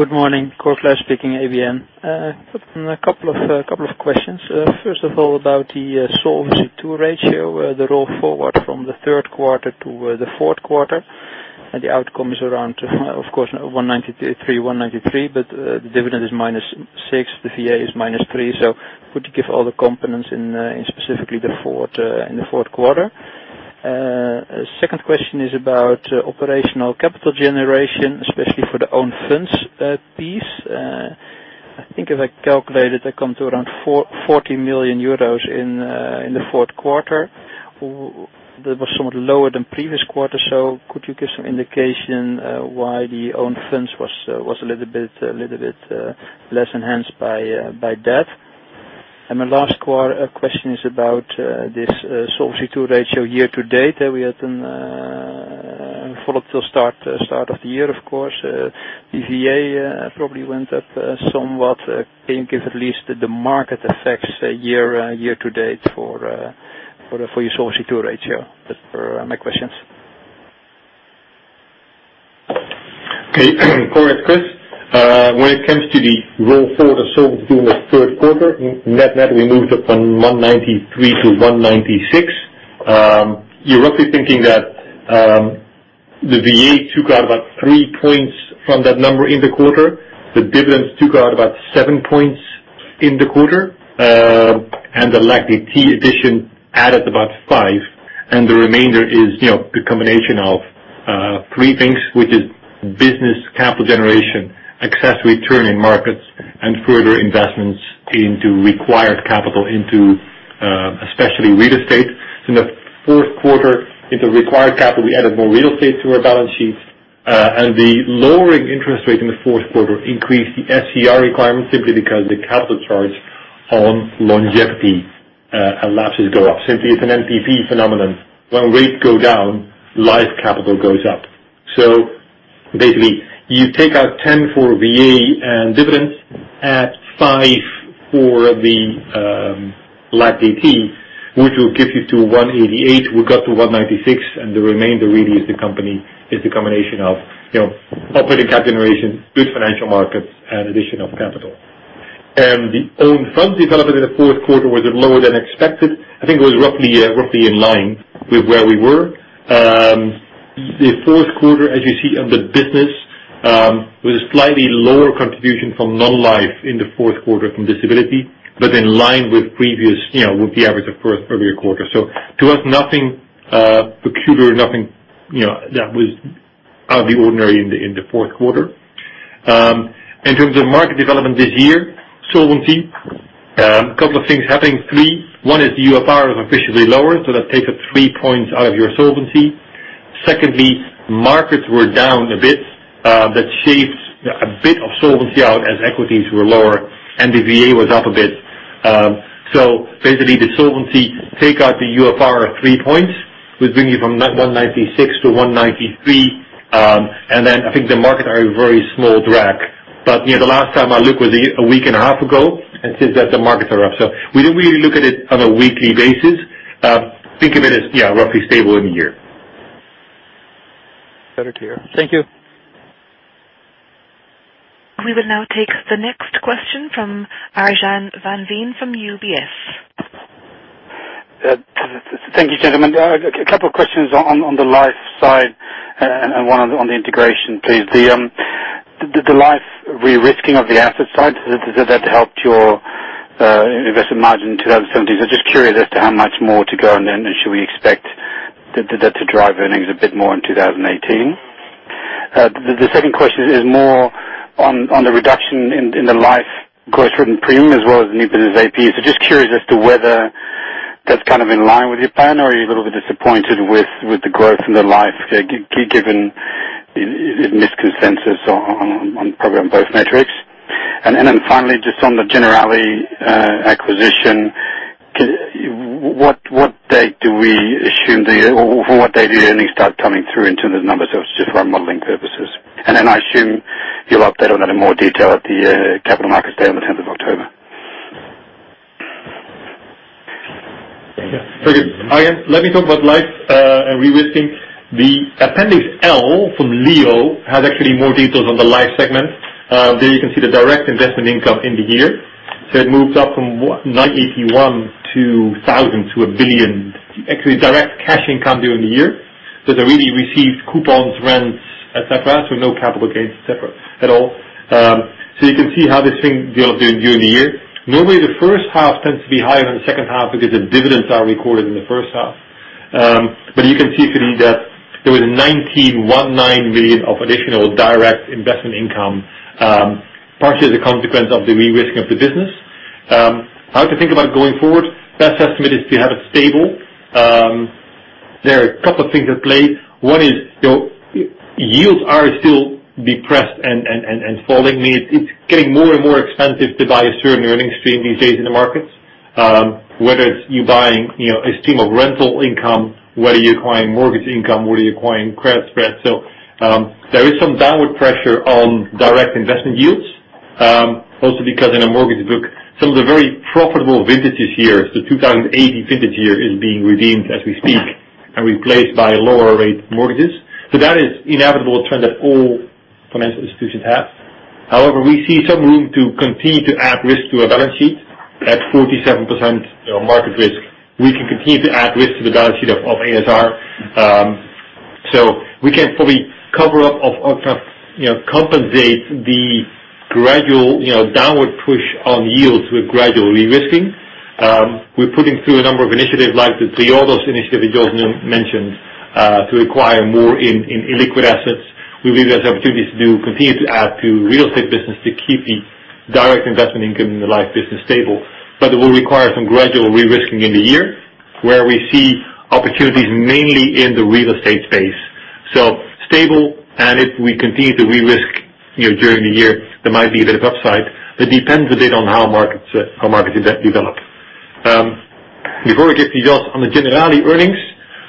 [SPEAKER 5] Good morning. Cor Kluis speaking, ABN. A couple of questions. First of all, about the Solvency II ratio, the roll forward from the third quarter to the fourth quarter, the outcome is around, of course, 193, the dividend is minus six, the VA is minus three. Could you give all the components in specifically in the fourth quarter? Second question is about operational capital generation, especially for the own funds piece. I think if I calculate it, I come to around 40 million euros in the fourth quarter. That was somewhat lower than previous quarters. My last question is about this Solvency II ratio year-to-date. We had a volatile start of the year, of course. The VA probably went up somewhat. Can you give at least the market effects year-to-date for your Solvency II ratio? That's my questions.
[SPEAKER 4] Okay. Cor Kluis. When it comes to the roll forward of Solvency II in the third quarter, net we moved up from 193 to 196. You're roughly thinking that the VA took out about three points from that number in the quarter. The dividends took out about seven points in the quarter. The LAC-DT addition added about five. The remainder is the combination of three things, which is business capital generation, excess return in markets, and further investments into required capital into especially real estate. In the fourth quarter, into required capital, we added more real estate to our balance sheets. The lowering interest rate in the fourth quarter increased the SCR requirement simply because the capital charge on longevity lapses go up. Simply, it's an MPC phenomenon. When rates go down, life capital goes up. Basically, you take out 10 for VA and dividends, add five for the LAC-DT, which will give you to 188. We got to 196. The remainder really is the combination of operating capital generation, good financial markets, and addition of capital. The own funds development in the fourth quarter was it lower than expected? I think it was roughly in line with where we were. The fourth quarter, as you see of the business, was a slightly lower contribution from non-life in the fourth quarter from disability, but in line with the average of per year quarter. To us, nothing peculiar, nothing that was out of the ordinary in the fourth quarter. In terms of market development this year, solvency, a couple of things happening. Three. One is UFR is officially lower, so that takes out three points out of your solvency. Secondly, markets were down a bit. That shaved a bit of solvency out as equities were lower and the VA was up a bit. Basically, the solvency, take out the UFR at three points, would bring you from 196 to 193. I think the market are a very small drag. The last time I looked was a week and a half ago, and since then the markets are up. We don't really look at it on a weekly basis. Think of it as roughly stable in the year.
[SPEAKER 5] Better clear. Thank you.
[SPEAKER 1] We will now take the next question from Arjan van Veen from UBS.
[SPEAKER 6] Thank you, gentlemen. A couple of questions on the life side and one on the integration, please. The life risk risking of the asset side, has that helped your investment margin in 2017? Just curious as to how much more to go, should we expect that to drive earnings a bit more in 2018? The second question is more on the reduction in the life gross written premium as well as new business AP. Just curious as to whether that's in line with your plan, or are you a little bit disappointed with the growth in the life given the missed consensus on probably on both metrics. Finally, just on the Generali acquisition, what date do we assume, or what date do the earnings start coming through into the numbers? It's just for our modeling purposes. I assume you'll update on that in more detail at the Capital Markets Day on the 10th of October.
[SPEAKER 4] Very good. Arjan van Veen, let me talk about life and risk risking. The Appendix L from below has actually more details on the life segment. There you can see the direct investment income in the year. It moved up from 981 million to 1 billion, actually, direct cash income during the year. They really received coupons, rents, et cetera, no capital gains separate at all. You can see how this thing developed during the year. Normally, the first half tends to be higher than the second half because the dividends are recorded in the first half. You can see, if you read that, there was 19.19 million of additional direct investment income, partially as a consequence of the de-risking of the business. How to think about it going forward, best estimate is to have it stable. There are a couple of things at play. One is, yields are still depressed and falling. It's getting more and more expensive to buy a certain earnings stream these days in the markets. Whether it's you buying a stream of rental income, whether you're acquiring mortgage income, whether you're acquiring credit spread. There is some downward pressure on direct investment yields. Also because in a mortgage book, some of the very profitable vintages here, the 2018 vintage year is being redeemed as we speak, and replaced by lower rate mortgages. That is inevitable trend that all financial institutions have. However, we see some room to continue to add risk to a balance sheet. At 47% market risk, we can continue to add risk to the balance sheet of ASR. We can probably compensate the gradual downward push on yields with gradual de-risking. We're putting through a number of initiatives like the Triodos Bank initiative Jos mentioned, to acquire more in liquid assets. We believe there's opportunities to continue to add to real estate business to keep the direct investment income in the life business stable. It will require some gradual de-risking in the year, where we see opportunities mainly in the real estate space. Stable, and if we continue to de-risk during the year, there might be a bit of upside. It depends a bit on how markets develop. Before I get to Jos, on the Generali earnings,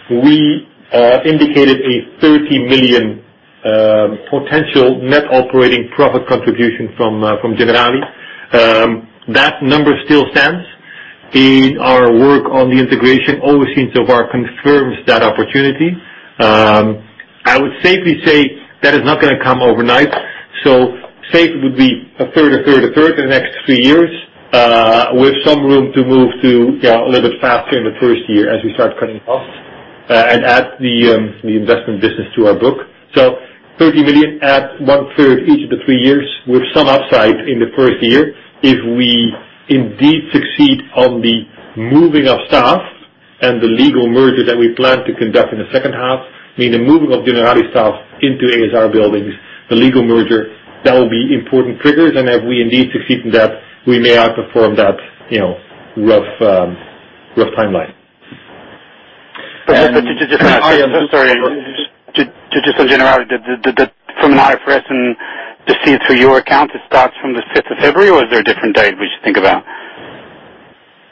[SPEAKER 4] we indicated a 30 million potential net operating profit contribution from Generali. That number still stands. Our work on the integration all we've seen so far confirms that opportunity. I would safely say that is not going to come overnight. Safe would be a third, a third, a third for the next three years, with some room to move to a little bit faster in the first year as we start cutting costs, add the investment business to our book. 30 million at one third each of the three years, with some upside in the first year if we indeed succeed on the moving of staff and the legal merger that we plan to conduct in the second half. Meaning the moving of Generali staff into ASR buildings, the legal merger, that will be important triggers. If we indeed succeed in that, we may outperform that rough timeline.
[SPEAKER 6] Just on Generali, from an IFRS and to see it through your account, it starts from the 5th of February or is there a different date we should think about?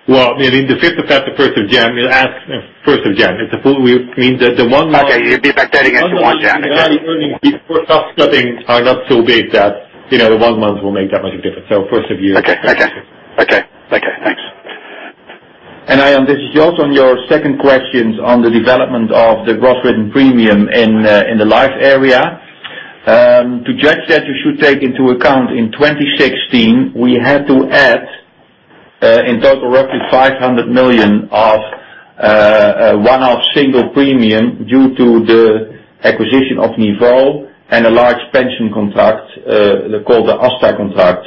[SPEAKER 4] Meaning the 5th of February to 1st of January.
[SPEAKER 6] Okay. It'd be backdated against the 1 January.
[SPEAKER 4] Earnings before cost cutting are not so big that one month will make that much of a difference. First of year.
[SPEAKER 6] Okay. Thanks.
[SPEAKER 3] Arjan, this is Jos on your second questions on the development of the gross written premium in the life area. To judge that, you should take into account in 2016, we had to add, in total, roughly 500 million of one-off single premium due to the acquisition of NIVO and a large pension contract, they call the Asta contract.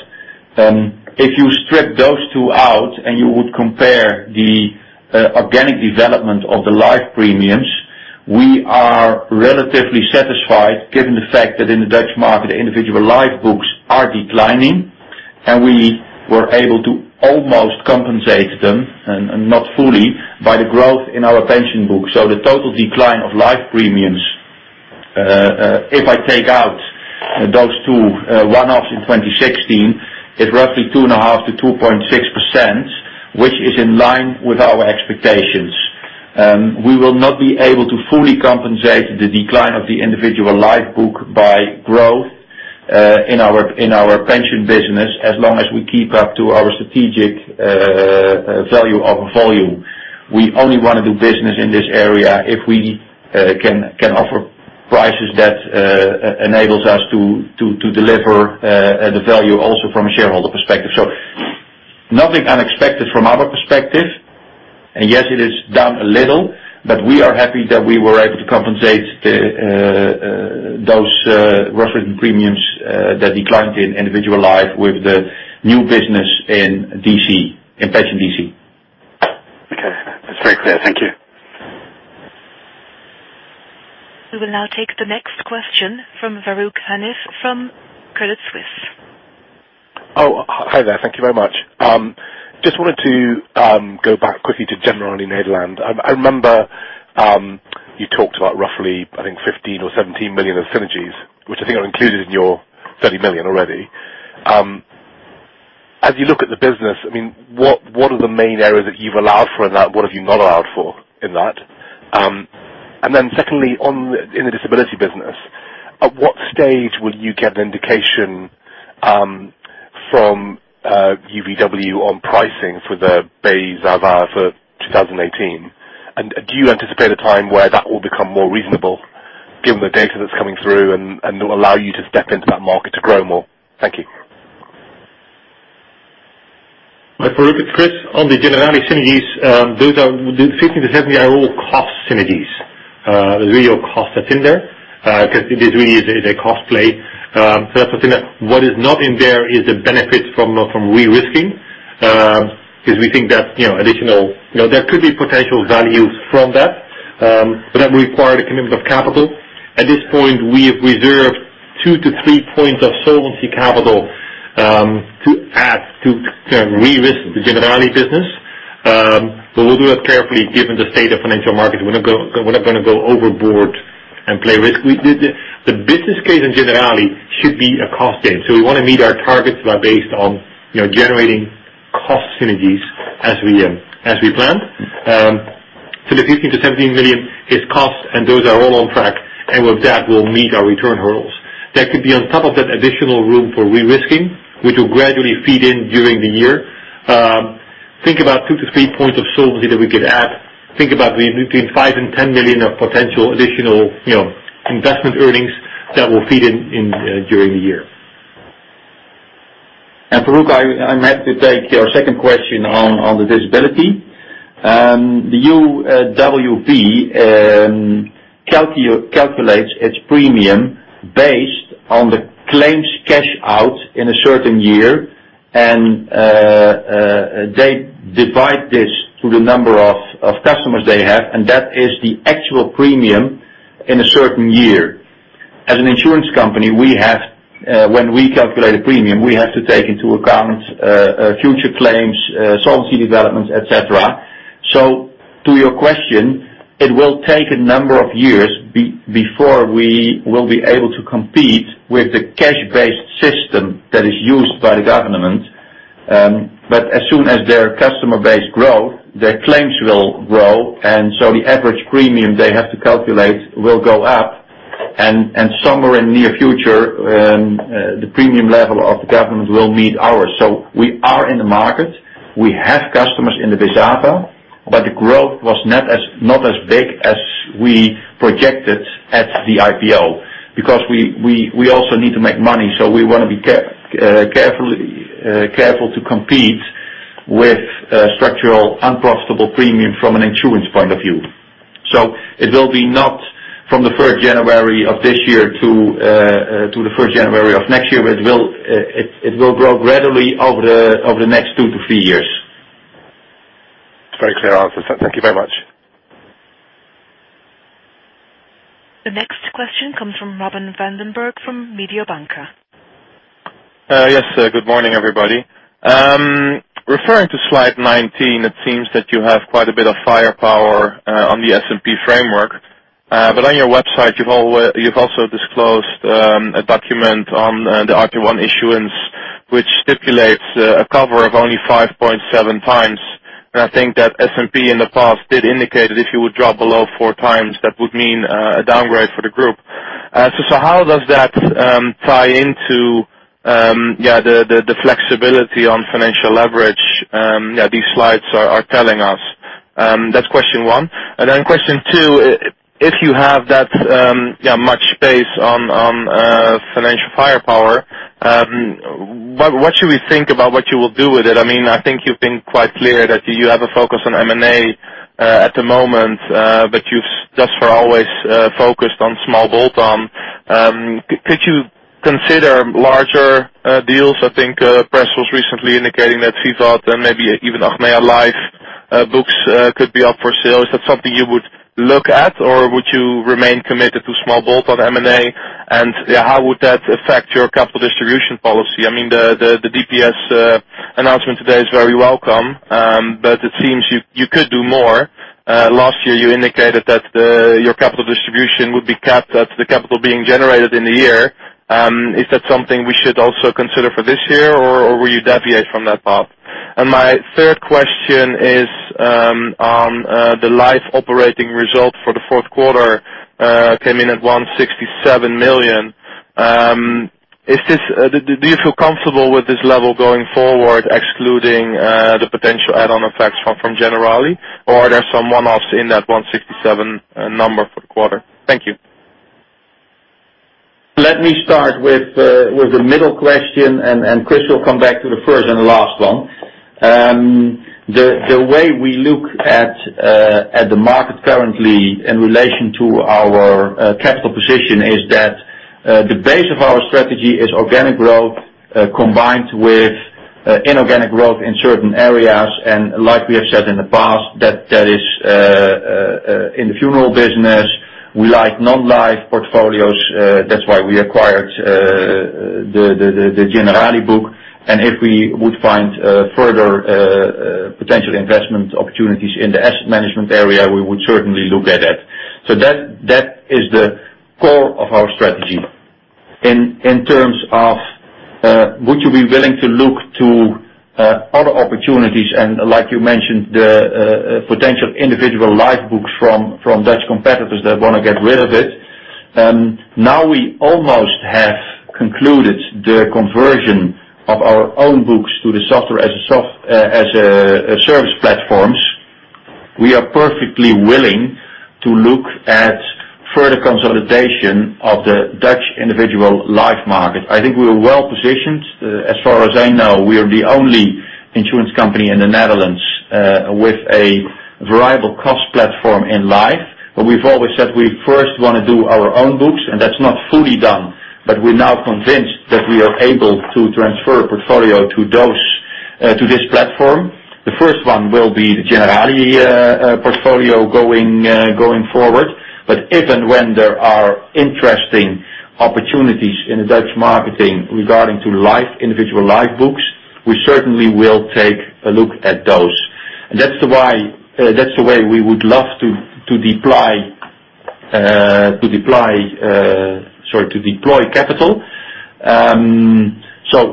[SPEAKER 3] If you strip those two out and you would compare the organic development of the life premiums, we are relatively satisfied given the fact that in the Dutch market, the individual life books are declining, and we were able to almost compensate them, not fully, by the growth in our pension book. The total decline of life premiums, if I take out those two one-offs in 2016, is roughly 2.5%-2.6%, which is in line with our expectations. We will not be able to fully compensate the decline of the individual life book by growth in our pension business as long as we keep up to our strategic value of volume. We only want to do business in this area if we can offer prices that enables us to deliver the value also from a shareholder perspective. Nothing unexpected from our perspective. Yes, it is down a little, but we are happy that we were able to compensate those rough premiums that declined in individual life with the new business in pension DC.
[SPEAKER 6] Okay. That's very clear. Thank you.
[SPEAKER 1] We will now take the next question from Farooq Hanif from Credit Suisse.
[SPEAKER 7] Hi there. Thank you very much. Just wanted to go back quickly to Generali Nederland. I remember you talked about roughly, I think 15 million or 17 million of synergies, which I think are included in your 30 million already. As you look at the business, what are the main areas that you've allowed for in that? What have you not allowed for in that? Then secondly, in the disability business, at what stage will you get an indication from UWV on pricing for the basis for 2018? Do you anticipate a time where that will become more reasonable given the data that's coming through, and allow you to step into that market to grow more? Thank you.
[SPEAKER 4] Farooq, it's Chris. On the Generali synergies, those 15 million-17 million are all cost synergies. There's real cost that's in there, because it really is a cost play. That's something that what is not in there is the benefits from de-risking. Because we think there could be potential value from that. But that will require a commitment of capital. At this point, we have reserved 2-3 points of solvency capital to re-risk the Generali business. But we'll do it carefully given the state of financial markets. We're not going to go overboard and play risk. The business case in Generali should be a cost save. We want to meet our targets that are based on generating cost synergies as we planned. So the 15 million-17 million is cost, and those are all on track. With that, we'll meet our return hurdles. That could be on top of that additional room for re-risking, which will gradually feed in during the year. Think about 2-3 points of solvency that we could add. Think about between 5 million and 10 million of potential additional investment earnings that will feed in during the year.
[SPEAKER 3] Farooq, I'm happy to take your second question on the disability. The UWV calculates its premium based on the claims cash out in a certain year, and they divide this to the number of customers they have, and that is the actual premium in a certain year. As an insurance company, when we calculate a premium, we have to take into account future claims, Solvency II developments, et cetera. To your question, it will take a number of years before we will be able to compete with the cash-based system that is used by the government. But as soon as their customer base grows, their claims will grow, and so the average premium they have to calculate will go up. Somewhere in near future, the premium level of the government will meet ours. So we are in the market. We have customers in the BeZaVa, but the growth was not as big as we projected at the IPO. Because we also need to make money, so we want to be careful to compete with structural, unprofitable premium from an insurance point of view. So it will be not from the 3rd January of this year to the 3rd January of next year. It will grow gradually over the next 2-3 years.
[SPEAKER 7] Very clear answer. Thank you very much.
[SPEAKER 1] The next question comes from Robin van den Broek from Mediobanca.
[SPEAKER 8] Yes. Good morning, everybody. Referring to slide 19, it seems that you have quite a bit of firepower on the S&P framework. On your website, you've also disclosed a document on the RT1 issuance, which stipulates a cover of only 5.7 times. I think that S&P in the past did indicate that if you would drop below four times, that would mean a downgrade for the group. How does that tie into the flexibility on financial leverage these slides are telling us? That's question one. Question two, if you have that much space on financial firepower, what should we think about what you will do with it? I think you've been quite clear that you have a focus on M&A at the moment, but you've thus far always focused on small bolt-on. Could you consider larger deals? I think press was recently indicating that C thought and maybe even Achmea Life books could be up for sale. Is that something you would look at, or would you remain committed to small bolt-on M&A? How would that affect your capital distribution policy? The DPS announcement today is very welcome, it seems you could do more. Last year, you indicated that your capital distribution would be capped at the capital being generated in the year. Is that something we should also consider for this year, or will you deviate from that path? My third question is on the life operating result for the fourth quarter came in at 167 million. Do you feel comfortable with this level going forward, excluding the potential add-on effects from Generali? Or are there some one-offs in that 167 number for the quarter? Thank you.
[SPEAKER 3] Let me start with the middle question, and Chris will come back to the first and last one. The way we look at the market currently in relation to our capital position is that the base of our strategy is organic growth combined with inorganic growth in certain areas. Like we have said in the past, that is in the funeral business. We like non-life portfolios. That is why we acquired the Generali book. If we would find further potential investment opportunities in the asset management area, we would certainly look at it. That is the core of our strategy. In terms of would you be willing to look to other opportunities, like you mentioned, the potential individual life books from Dutch competitors that want to get rid of it. Now we almost have concluded the conversion of our own books to the software as a service platforms. We are perfectly willing to look at further consolidation of the Dutch individual life market. I think we are well-positioned. As far as I know, we are the only insurance company in the Netherlands with a variable cost platform in life. But we have always said we first want to do our own books, and that is not fully done, but we are now convinced that we are able to transfer portfolio to this platform. The first one will be the Generali portfolio going forward. But if and when there are interesting opportunities in the Dutch market regarding to individual life books, we certainly will take a look at those. That is the way we would love to deploy capital.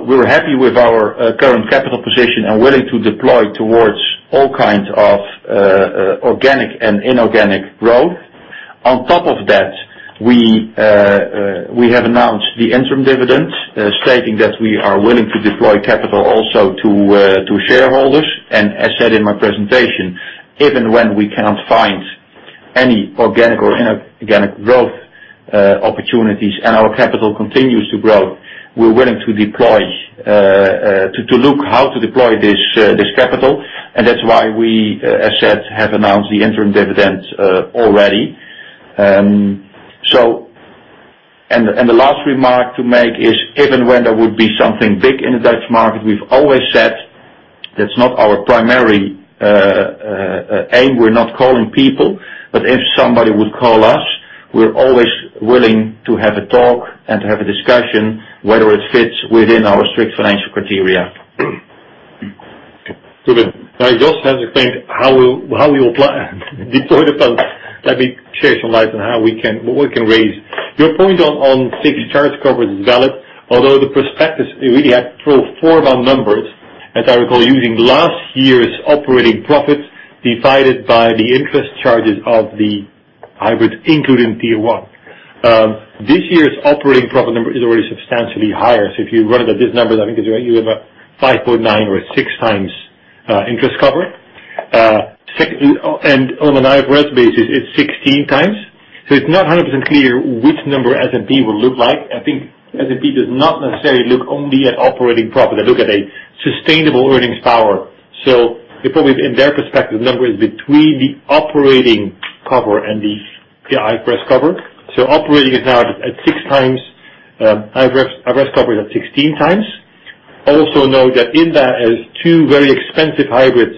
[SPEAKER 3] We are happy with our current capital position and willing to deploy towards all kinds of organic and inorganic growth. On top of that, we have announced the interim dividend, stating that we are willing to deploy capital also to shareholders. As said in my presentation, if and when we cannot find any organic or inorganic growth opportunities and our capital continues to grow, we are willing to look how to deploy this capital, and that is why we, as said, have announced the interim dividend already. The last remark to make is if and when there would be something big in the Dutch market, we have always said that is not our primary aim. We are not calling people, but if somebody would call us, we are always willing to have a talk and to have a discussion whether it fits within our strict financial criteria.
[SPEAKER 4] Good. Jos has explained how we will deploy the funds. Let me shed some light on what we can raise. Your point on 6 charge cover is valid, although the prospectus really had 4 of our numbers, as I recall, using last year's operating profits divided by the interest charges of the hybrids, including Tier 1. This year's operating profit number is already substantially higher. If you run it at this number, I think you have a 5.9 or a 6 times interest cover. Secondly, on an IFRS basis, it is 16 times. It is not 100% clear which number S&P will look like. I think S&P does not necessarily look only at operating profit. They look at a sustainable earnings power. Probably in their perspective, the number is between the operating cover and the IFRS cover. Operating is now at 6 times. IFRS cover is at 16 times. Know that in that is two very expensive hybrids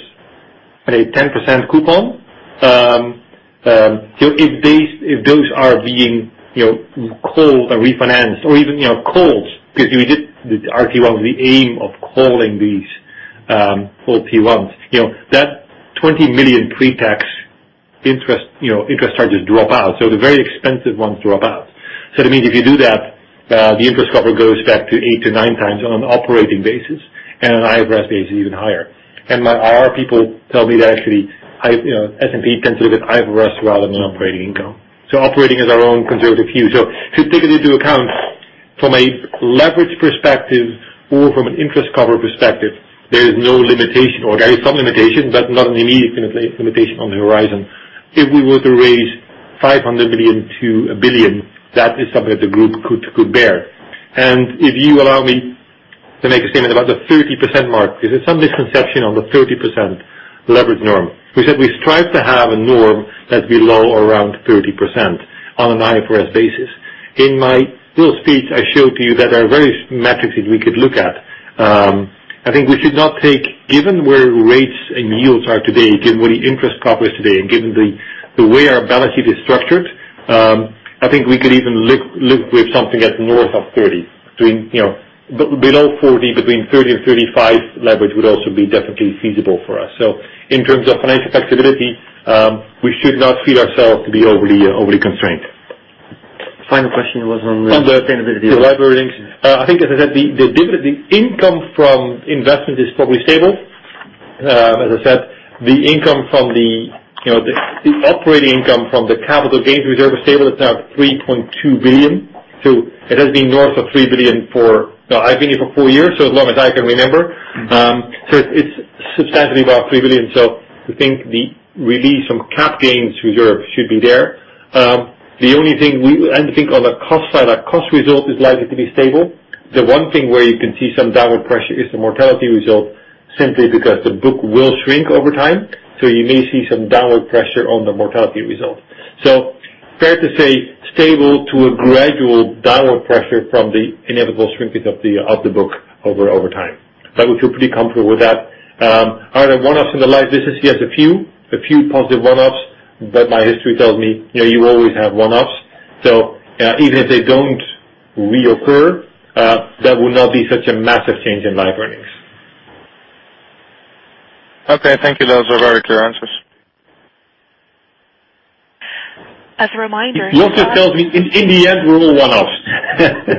[SPEAKER 4] at a 10% coupon. If those are being called a refinance or even called, because we did the RT1 with the aim of calling these old T1s. That 20 million pre-tax interest charges drop out. The very expensive ones drop out. That means if you do that, the interest cover goes back to eight to nine times on an operating basis and an IFRS basis even higher. My IR people tell me that actually, S&P tends to look at IFRS rather than operating income. Operating is our own conservative view. If you take it into account from a leverage perspective or from an interest cover perspective, there is no limitation or there is some limitation, but not an immediate limitation on the horizon. If we were to raise 500 million to 1 billion, that is something that the group could bear. If you allow me to make a statement about the 30% mark, because there's some misconception on the 30% leverage norm. We said we strive to have a norm that's below or around 30% on an IFRS basis. In my little speech, I showed to you that there are various metrics that we could look at. I think we should not take, given where rates and yields are today, given where the interest cover is today, and given the way our balance sheet is structured, I think we could even live with something at north of 30. Below 40, between 30 and 35 leverage would also be definitely feasible for us. In terms of financial flexibility, we should not feel ourselves to be overly constrained.
[SPEAKER 8] Final question was on the-
[SPEAKER 3] On the liability links. I think, as I said, the income from investment is probably stable. As I said, the operating income from the capital gains reserve is stable. It's now 3.2 billion. It has been north of 3 billion for, I've been here for four years, as long as I can remember. It's substantially above 3 billion. We think the release from cap gains reserve should be there. I think on the cost side, our cost result is likely to be stable. The one thing where you can see some downward pressure is the mortality result, simply because the book will shrink over time. You may see some downward pressure on the mortality result. Fair to say, stable to a gradual downward pressure from the inevitable shrinking of the book over time. We feel pretty comfortable with that. Are there one-offs in the life business? Yes, a few. A few positive one-offs, but my history tells me you always have one-offs. Even if they don't reoccur, that will not be such a massive change in my earnings.
[SPEAKER 8] Okay, thank you. Those are very clear answers.
[SPEAKER 1] As a reminder.
[SPEAKER 3] Jos just tells me, in the end, we're all one-offs.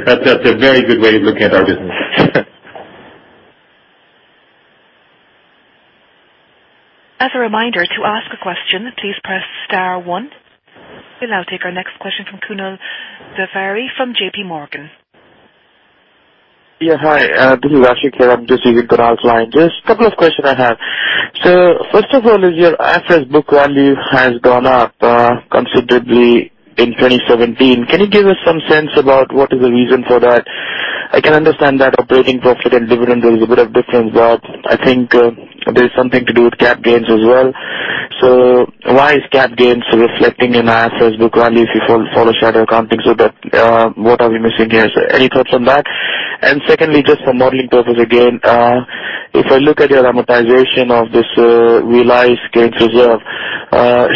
[SPEAKER 3] That's a very good way of looking at our business.
[SPEAKER 1] As a reminder, to ask a question, please press star one. We will now take our next question from Kunal Zaveri from JPMorgan.
[SPEAKER 9] Hi. This is Ashik here. I am just using Kunal's line. Just a couple of questions I have. First of all is your IFRS book value has gone up considerably in 2017. Can you give us some sense about what is the reason for that? I can understand that operating profit and dividend, there is a bit of difference, but I think there is something to do with cap gains as well. Why is cap gains reflecting in our assets book value if you follow shadow accounting? What are we missing here? Any thoughts on that? Secondly, just for modeling purpose again, if I look at your amortization of this realized gains reserve,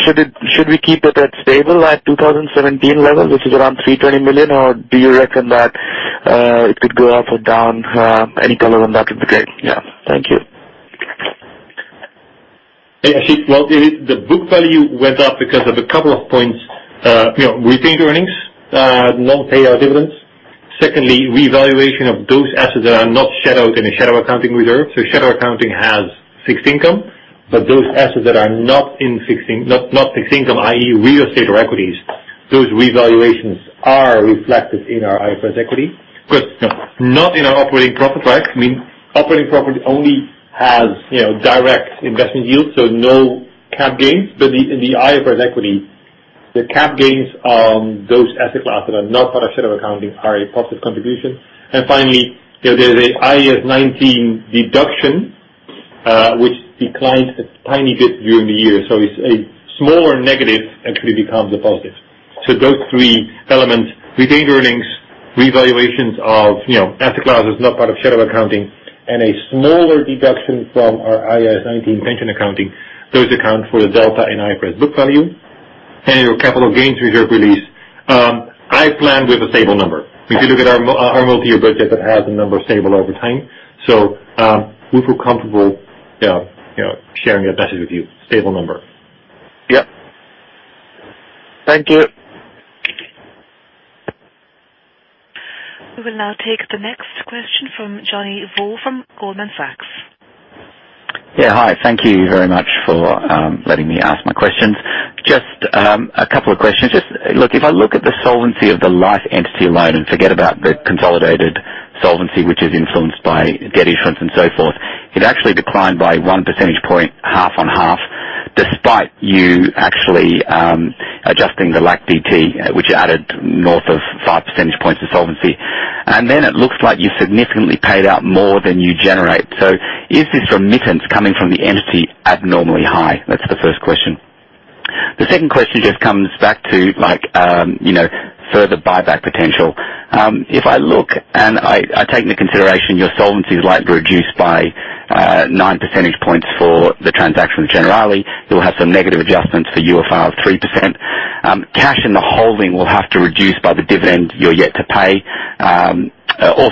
[SPEAKER 9] should we keep it at stable at 2017 level, which is around 320 million, or do you reckon that it could go up or down? Any color on that would be great. Thank you.
[SPEAKER 4] Hey, Ashik. The book value went up because of a couple of points. Retained earnings, non-payout dividends. Secondly, revaluation of those assets that are not shadowed in a shadow accounting reserve. Shadow accounting has fixed income, but those assets that are not fixed income, i.e., real estate or equities, those revaluations are reflected in our IFRS equity. Not in our operating profit. Operating profit only has direct investment yields, no cap gains. In the IFRS equity, the cap gains on those asset classes are not part of shadow accounting are a positive contribution. Finally, there is an IAS 19 deduction, which declines a tiny bit during the year. It is a smaller negative actually becomes a positive. Those three elements, retained earnings, revaluations of asset classes not part of shadow accounting, and a smaller deduction from our IAS 19 pension accounting, those account for the delta in IFRS book value and your capital gains reserve release. I planned with a stable number. If you look at our multi-year budget, that has a number stable over time. We feel comfortable sharing that message with you. Stable number.
[SPEAKER 9] Yep. Thank you.
[SPEAKER 1] We will now take the next question from Johnny Vo from Goldman Sachs.
[SPEAKER 10] Yeah. Hi. Thank you very much for letting me ask my questions. Just a couple of questions. If I look at the solvency of the life entity alone and forget about the consolidated solvency, which is influenced by debt issuance and so forth, it actually declined by one percentage point, half on half, despite you actually adjusting the LAC-DT, which added north of five percentage points to solvency. It looks like you significantly paid out more than you generate. Is this remittance coming from the entity abnormally high? That's the first question. The second question just comes back to further buyback potential. If I look and I take into consideration your solvency is likely reduced by nine percentage points for the transaction with Generali. You'll have some negative adjustments for UFR of 3%. Cash in the holding will have to reduce by the dividend you're yet to pay.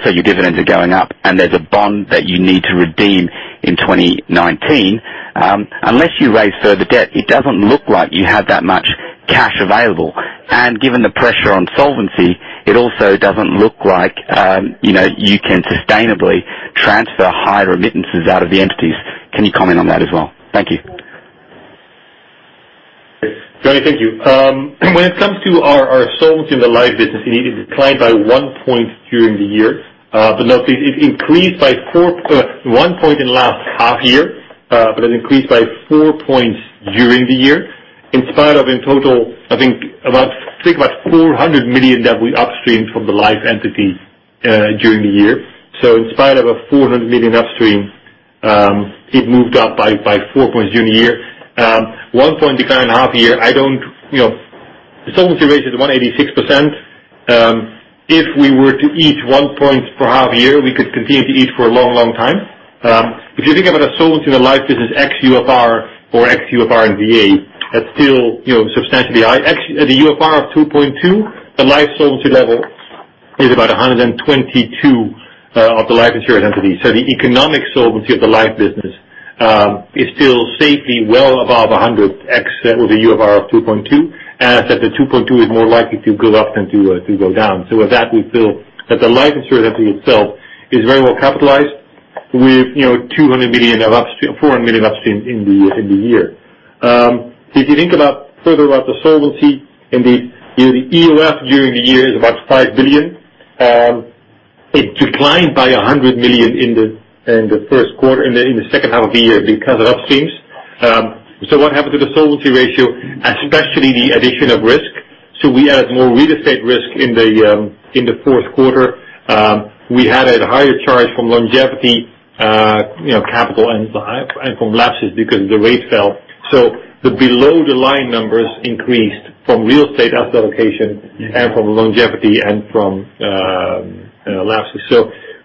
[SPEAKER 10] Your dividends are going up and there's a bond that you need to redeem in 2019. Unless you raise further debt, it doesn't look like you have that much cash available. Given the pressure on solvency, it also doesn't look like you can sustainably transfer high remittances out of the entities. Can you comment on that as well? Thank you.
[SPEAKER 4] Johnny, thank you. When it comes to our solvency in the life business, it declined by one point during the year. Note, it increased by one point in last half year, but it increased by four points during the year, in spite of in total, I think about 400 million that we upstreamed from the life entities during the year. In spite of a 400 million upstream, it moved up by four points during the year. One point decline in half year, solvency ratio is 186%. If we were to each one point per half year, we could continue to eat for a long, long time. If you think about a solvency in the life business, ex UFR or ex UFR and VA, that's still substantially high. Actually, at a UFR of 2.2, the life solvency level is about 122 of the life insurance entity. The economic solvency of the life business is still safely well above 100x over the UFR of 2.2. I'd say the 2.2 is more likely to go up than to go down. With that, we feel that the life insurance entity itself is very well capitalized with 400 million upstream in the year. If you think further about the solvency, indeed, the EOF during the year is about 5 billion. It declined by 100 million in the first quarter, in the second half of the year because of upstreams. What happened to the solvency ratio, especially the addition of risk? We added more real estate risk in the fourth quarter. We had a higher charge from longevity capital and from lapses because the rate fell. The below the line numbers increased from real estate asset allocation and from longevity and from lapses.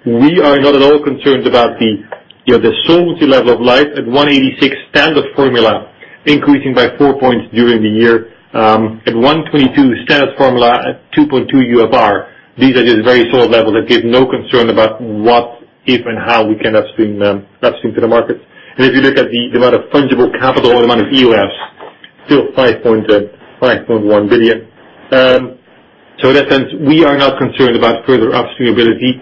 [SPEAKER 4] We are not at all concerned about the solvency level of life at 186 standard formula increasing by four points during the year, at 122 standard formula at 2.2 UFR. These are just very solid levels that give no concern about what, if, and how we can upstream to the market. If you look at the amount of fungible capital or the amount of EOFs, still 5.1 billion. In that sense, we are not concerned about further upstream ability.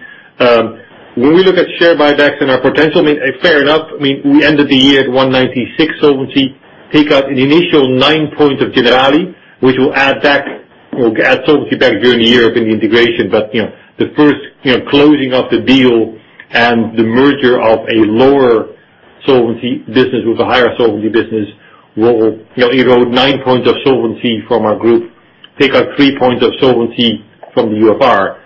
[SPEAKER 4] When we look at share buybacks and our potential, fair enough, we ended the year at 196 solvency. Take out the initial nine points of Generali, which will add solvency back during the year within the integration. The first closing of the deal and the merger of a lower Solvency business with a higher Solvency business will erode 9 points of Solvency from our group, take out 3 points of Solvency from the UFR,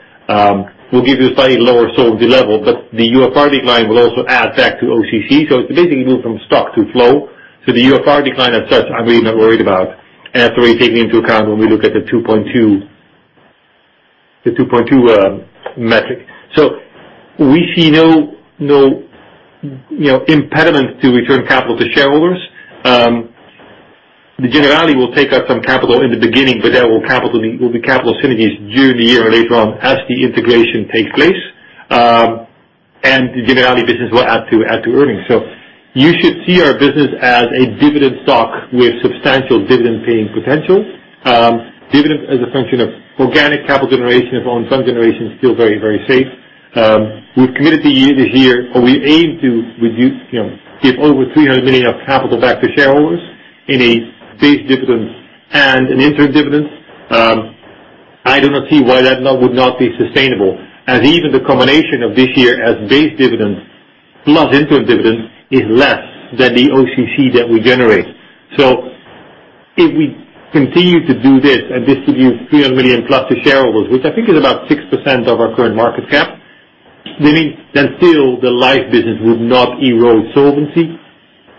[SPEAKER 4] will give you a slightly lower Solvency level, but the UFR decline will also add back to OCC. It's basically a move from stock to flow. The UFR decline as such, I'm really not worried about, and that's already taken into account when we look at the 2.2 metric. We see no impediment to return capital to shareholders. The Generali will take up some capital in the beginning, but there will be capital synergies during the year or later on as the integration takes place. The Generali business will add to earnings. You should see our business as a dividend stock with substantial dividend paying potential. Dividend as a function of organic capital generation of our own fund generation is still very, very safe. We've committed to year to year, or we aim to give over 300 million of capital back to shareholders in a base dividend and an interim dividend. I do not see why that would not be sustainable as even the combination of this year as base dividend plus interim dividend is less than the OCC that we generate. If we continue to do this and distribute 300 million plus to shareholders, which I think is about 6% of our current market cap, meaning then still the life business would not erode Solvency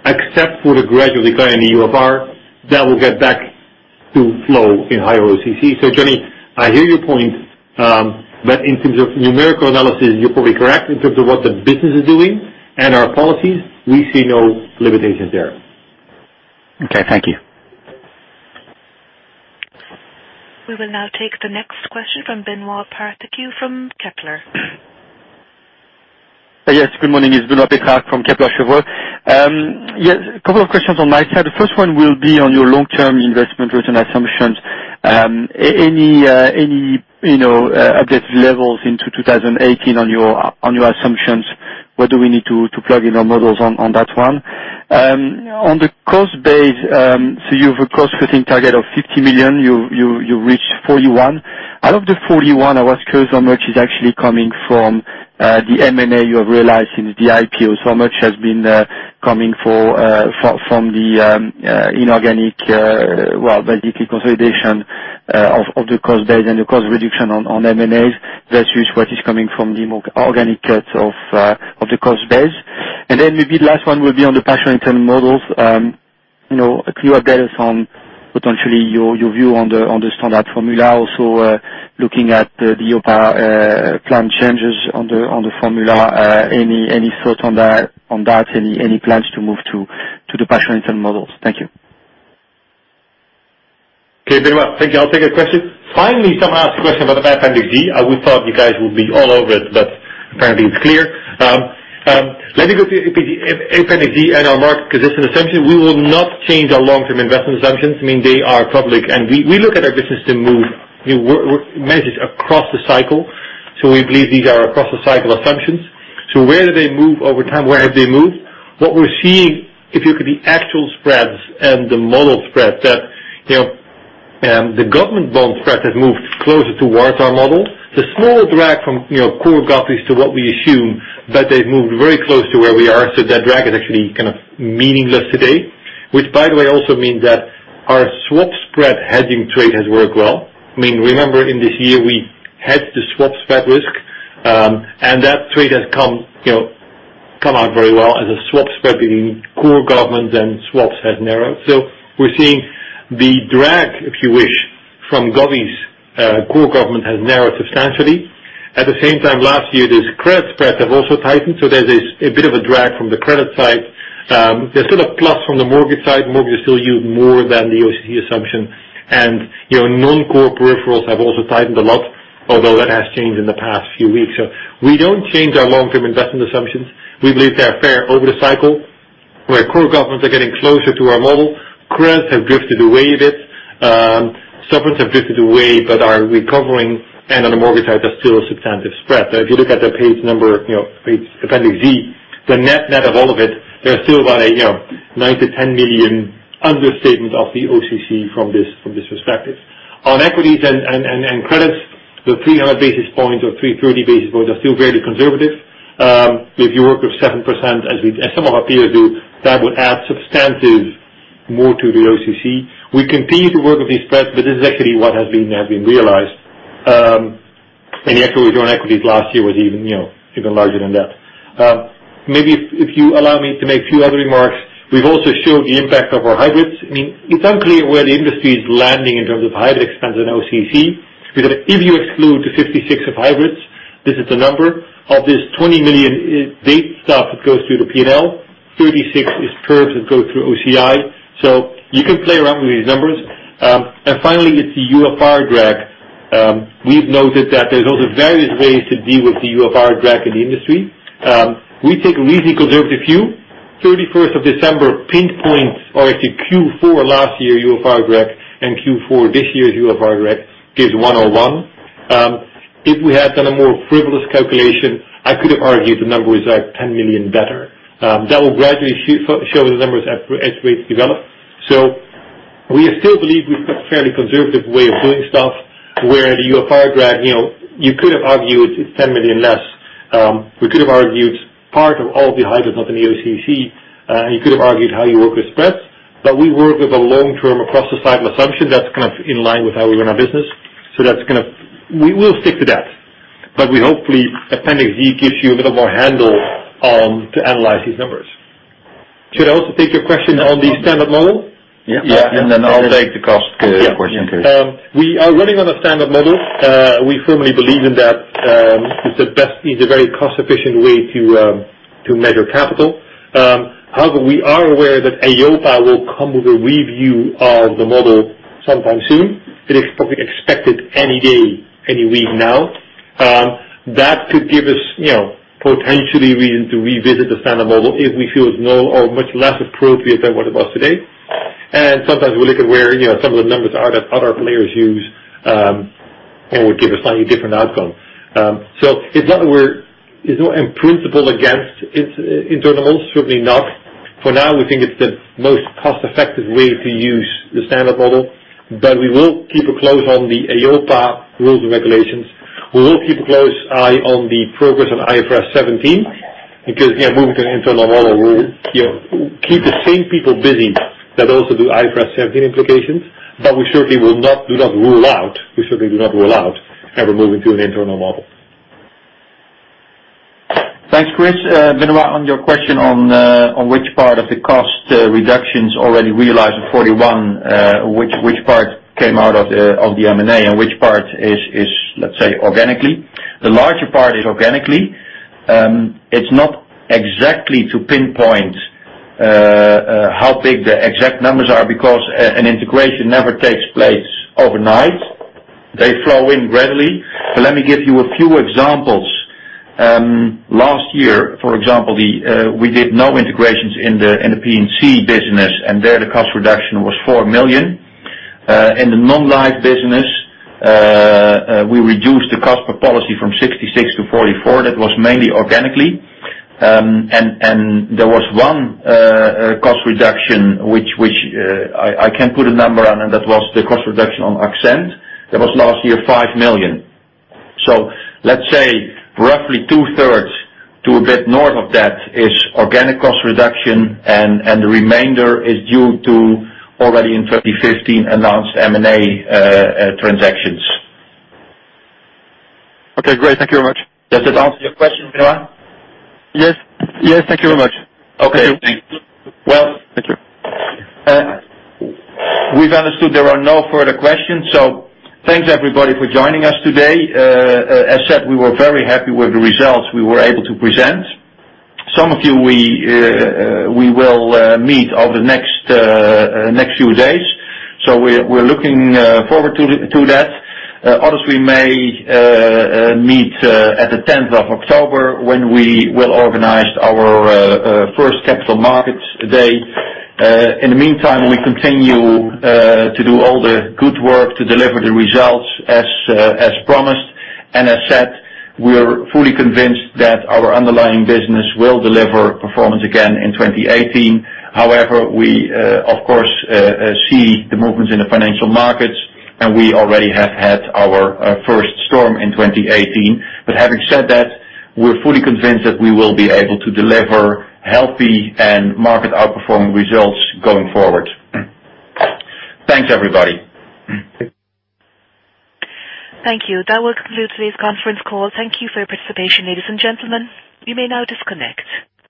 [SPEAKER 4] except for the gradual decline in the UFR that will get back to flow in higher OCC. Johnny, I hear your point, in terms of numerical analysis, you're probably correct. In terms of what the business is doing and our policies, we see no limitations there.
[SPEAKER 10] Okay. Thank you.
[SPEAKER 1] We will now take the next question from Benoît Pétrarque from Kepler.
[SPEAKER 11] Good morning. It's Benoît Pétrarque from Kepler Cheuvreux. A couple of questions on my side. The first one will be on your long-term investment return assumptions. Any updated levels into 2018 on your assumptions? What do we need to plug in our models on that one? On the cost base, you have a cost-cutting target of 50 million. You reached 41 million. Out of the 41 million, I was curious how much is actually coming from the M&A you have realized since the IPO. Much has been coming from the inorganic, well, basically consolidation of the cost base and the cost reduction on M&As versus what is coming from the organic cuts of the cost base. Then maybe the last one will be on the partial internal models. A clearer guidance on potentially your view on the standard formula. Looking at the plan changes on the formula. Any thought on that? Any plans to move to the partial internal models? Thank you.
[SPEAKER 4] Okay, Benoît. Thank you. I'll take a question. Finally, someone asked a question about the Appendix Z. We thought you guys would be all over it, but apparently it's clear. Let me go through Appendix Z and our market consistent assumptions. We will not change our long-term investment assumptions. They are public, and we look at our business to move. We measure it across the cycle. We believe these are across the cycle assumptions. Where do they move over time? Where have they moved? What we're seeing, if you look at the actual spreads and the model spreads, that the government bond spread has moved closer towards our model. The smaller drag from core govies to what we assume that they've moved very close to where we are. That drag is actually kind of meaningless today. Our swap spread hedging trade has worked well. Remember in this year, we hedged the swap spread risk, that trade has come out very well as a swap spread between core government and swaps has narrowed. We're seeing the drag, if you wish, from govies, core government has narrowed substantially. At the same time last year, this credit spread have also tightened. There's a bit of a drag from the credit side. There's still a plus from the mortgage side. Mortgage still yield more than the OCC assumption. Non-core peripherals have also tightened a lot, although that has changed in the past few weeks. We don't change our long-term investment assumptions. We believe they are fair over the cycle, where core governments are getting closer to our model. Credits have drifted away a bit. Sovereigns have drifted away but are recovering, on the mortgage side, there's still a substantive spread. If you look at Appendix Z, the net of all of it, there are still about a 9-10 million understatement of the OCC from this perspective. On equities and credits, the 300 basis points or 330 basis points are still fairly conservative. If you work with 7% as some of our peers do, that would add substantive more to the OCC. We continue to work with these spreads, this is actually what has been realized. The actual return on equities last year was even larger than that. Maybe if you allow me to make few other remarks. We've also showed the impact of our hybrids. It's unclear where the industry is landing in terms of hybrid expense and OCC. If you exclude the 56 of hybrids, this is the number. Of this 20 million base stuff that goes through the P&L, 36 is curves that go through OCI. You can play around with these numbers. Finally, it's the UFR drag. We've noted that there's also various ways to deal with the UFR drag in the industry. We take a reasonably conservative view. 31st of December pinpoint or actually Q4 last year UFR drag and Q4 this year's UFR drag gives 101. If we had done a more frivolous calculation, I could have argued the number was like 10 million better. That will gradually show the numbers as rates develop. We still believe we've got a fairly conservative way of doing stuff where the UFR drag, you could have argued it's 10 million less. We could have argued part of all the hybrids, not in the OCC, you could have argued how you work with spreads, we work with a long-term across the cycle assumption that's in line with how we run our business. We will stick to that. Hopefully, Appendix E gives you a little more handle to analyze these numbers. Should I also take your question on the standard formula?
[SPEAKER 11] Yeah. Yeah. Then I'll take the cost question, Chris.
[SPEAKER 4] We are running on a standard model. We firmly believe in that. It's a very cost-efficient way to measure capital. However, we are aware that EIOPA will come with a review of the model sometime soon. It is probably expected any day, any week now. That could give us potentially reason to revisit the standard model if we feel it's null or much less appropriate than what it was today. Sometimes we look at where some of the numbers are that other players use, or give a slightly different outcome. It's not that we're in principle against internal models, certainly not. For now, we think it's the most cost-effective way to use the standard model. We will keep a close eye on the EIOPA rules and regulations. We will keep a close eye on the progress on IFRS 17, because, yeah, moving to an internal model will keep the same people busy that also do IFRS 17 implications. We certainly do not rule out ever moving to an internal model.
[SPEAKER 3] Thanks, Chris. Benoît, on your question on which part of the cost reductions already realized in 2041, which part came out of the M&A and which part is, let's say, organically. The larger part is organically. It's not exactly to pinpoint how big the exact numbers are because an integration never takes place overnight. They flow in gradually. Let me give you a few examples. Last year, for example, we did no integrations in the P&C business, there the cost reduction was 4 million. In the non-life business, we reduced the cost per policy from 66 to 44. That was mainly organically. There was one cost reduction which I can put a number on, that was the cost reduction on Axent. That was last year, 5 million. Let's say roughly two-thirds to a bit north of that is organic cost reduction, and the remainder is due to already in 2015 announced M&A transactions.
[SPEAKER 11] Okay, great. Thank you very much.
[SPEAKER 3] Does that answer your question, Benoît?
[SPEAKER 11] Yes. Thank you very much.
[SPEAKER 3] Okay.
[SPEAKER 11] Thank you.
[SPEAKER 3] Well.
[SPEAKER 11] Thank you.
[SPEAKER 3] We've understood there are no further questions, so thanks everybody for joining us today. As said, we were very happy with the results we were able to present. Some of you we will meet over the next few days. We're looking forward to that. Others we may meet at the 10th of October when we will organize our first Capital Markets Day. In the meantime, we continue to do all the good work to deliver the results as promised. As said, we are fully convinced that our underlying business will deliver performance again in 2018. However, we, of course, see the movements in the financial markets, and we already have had our first storm in 2018. Having said that, we're fully convinced that we will be able to deliver healthy and market-outperforming results going forward. Thanks, everybody.
[SPEAKER 1] Thank you. That will conclude today's conference call. Thank you for your participation, ladies and gentlemen. You may now disconnect.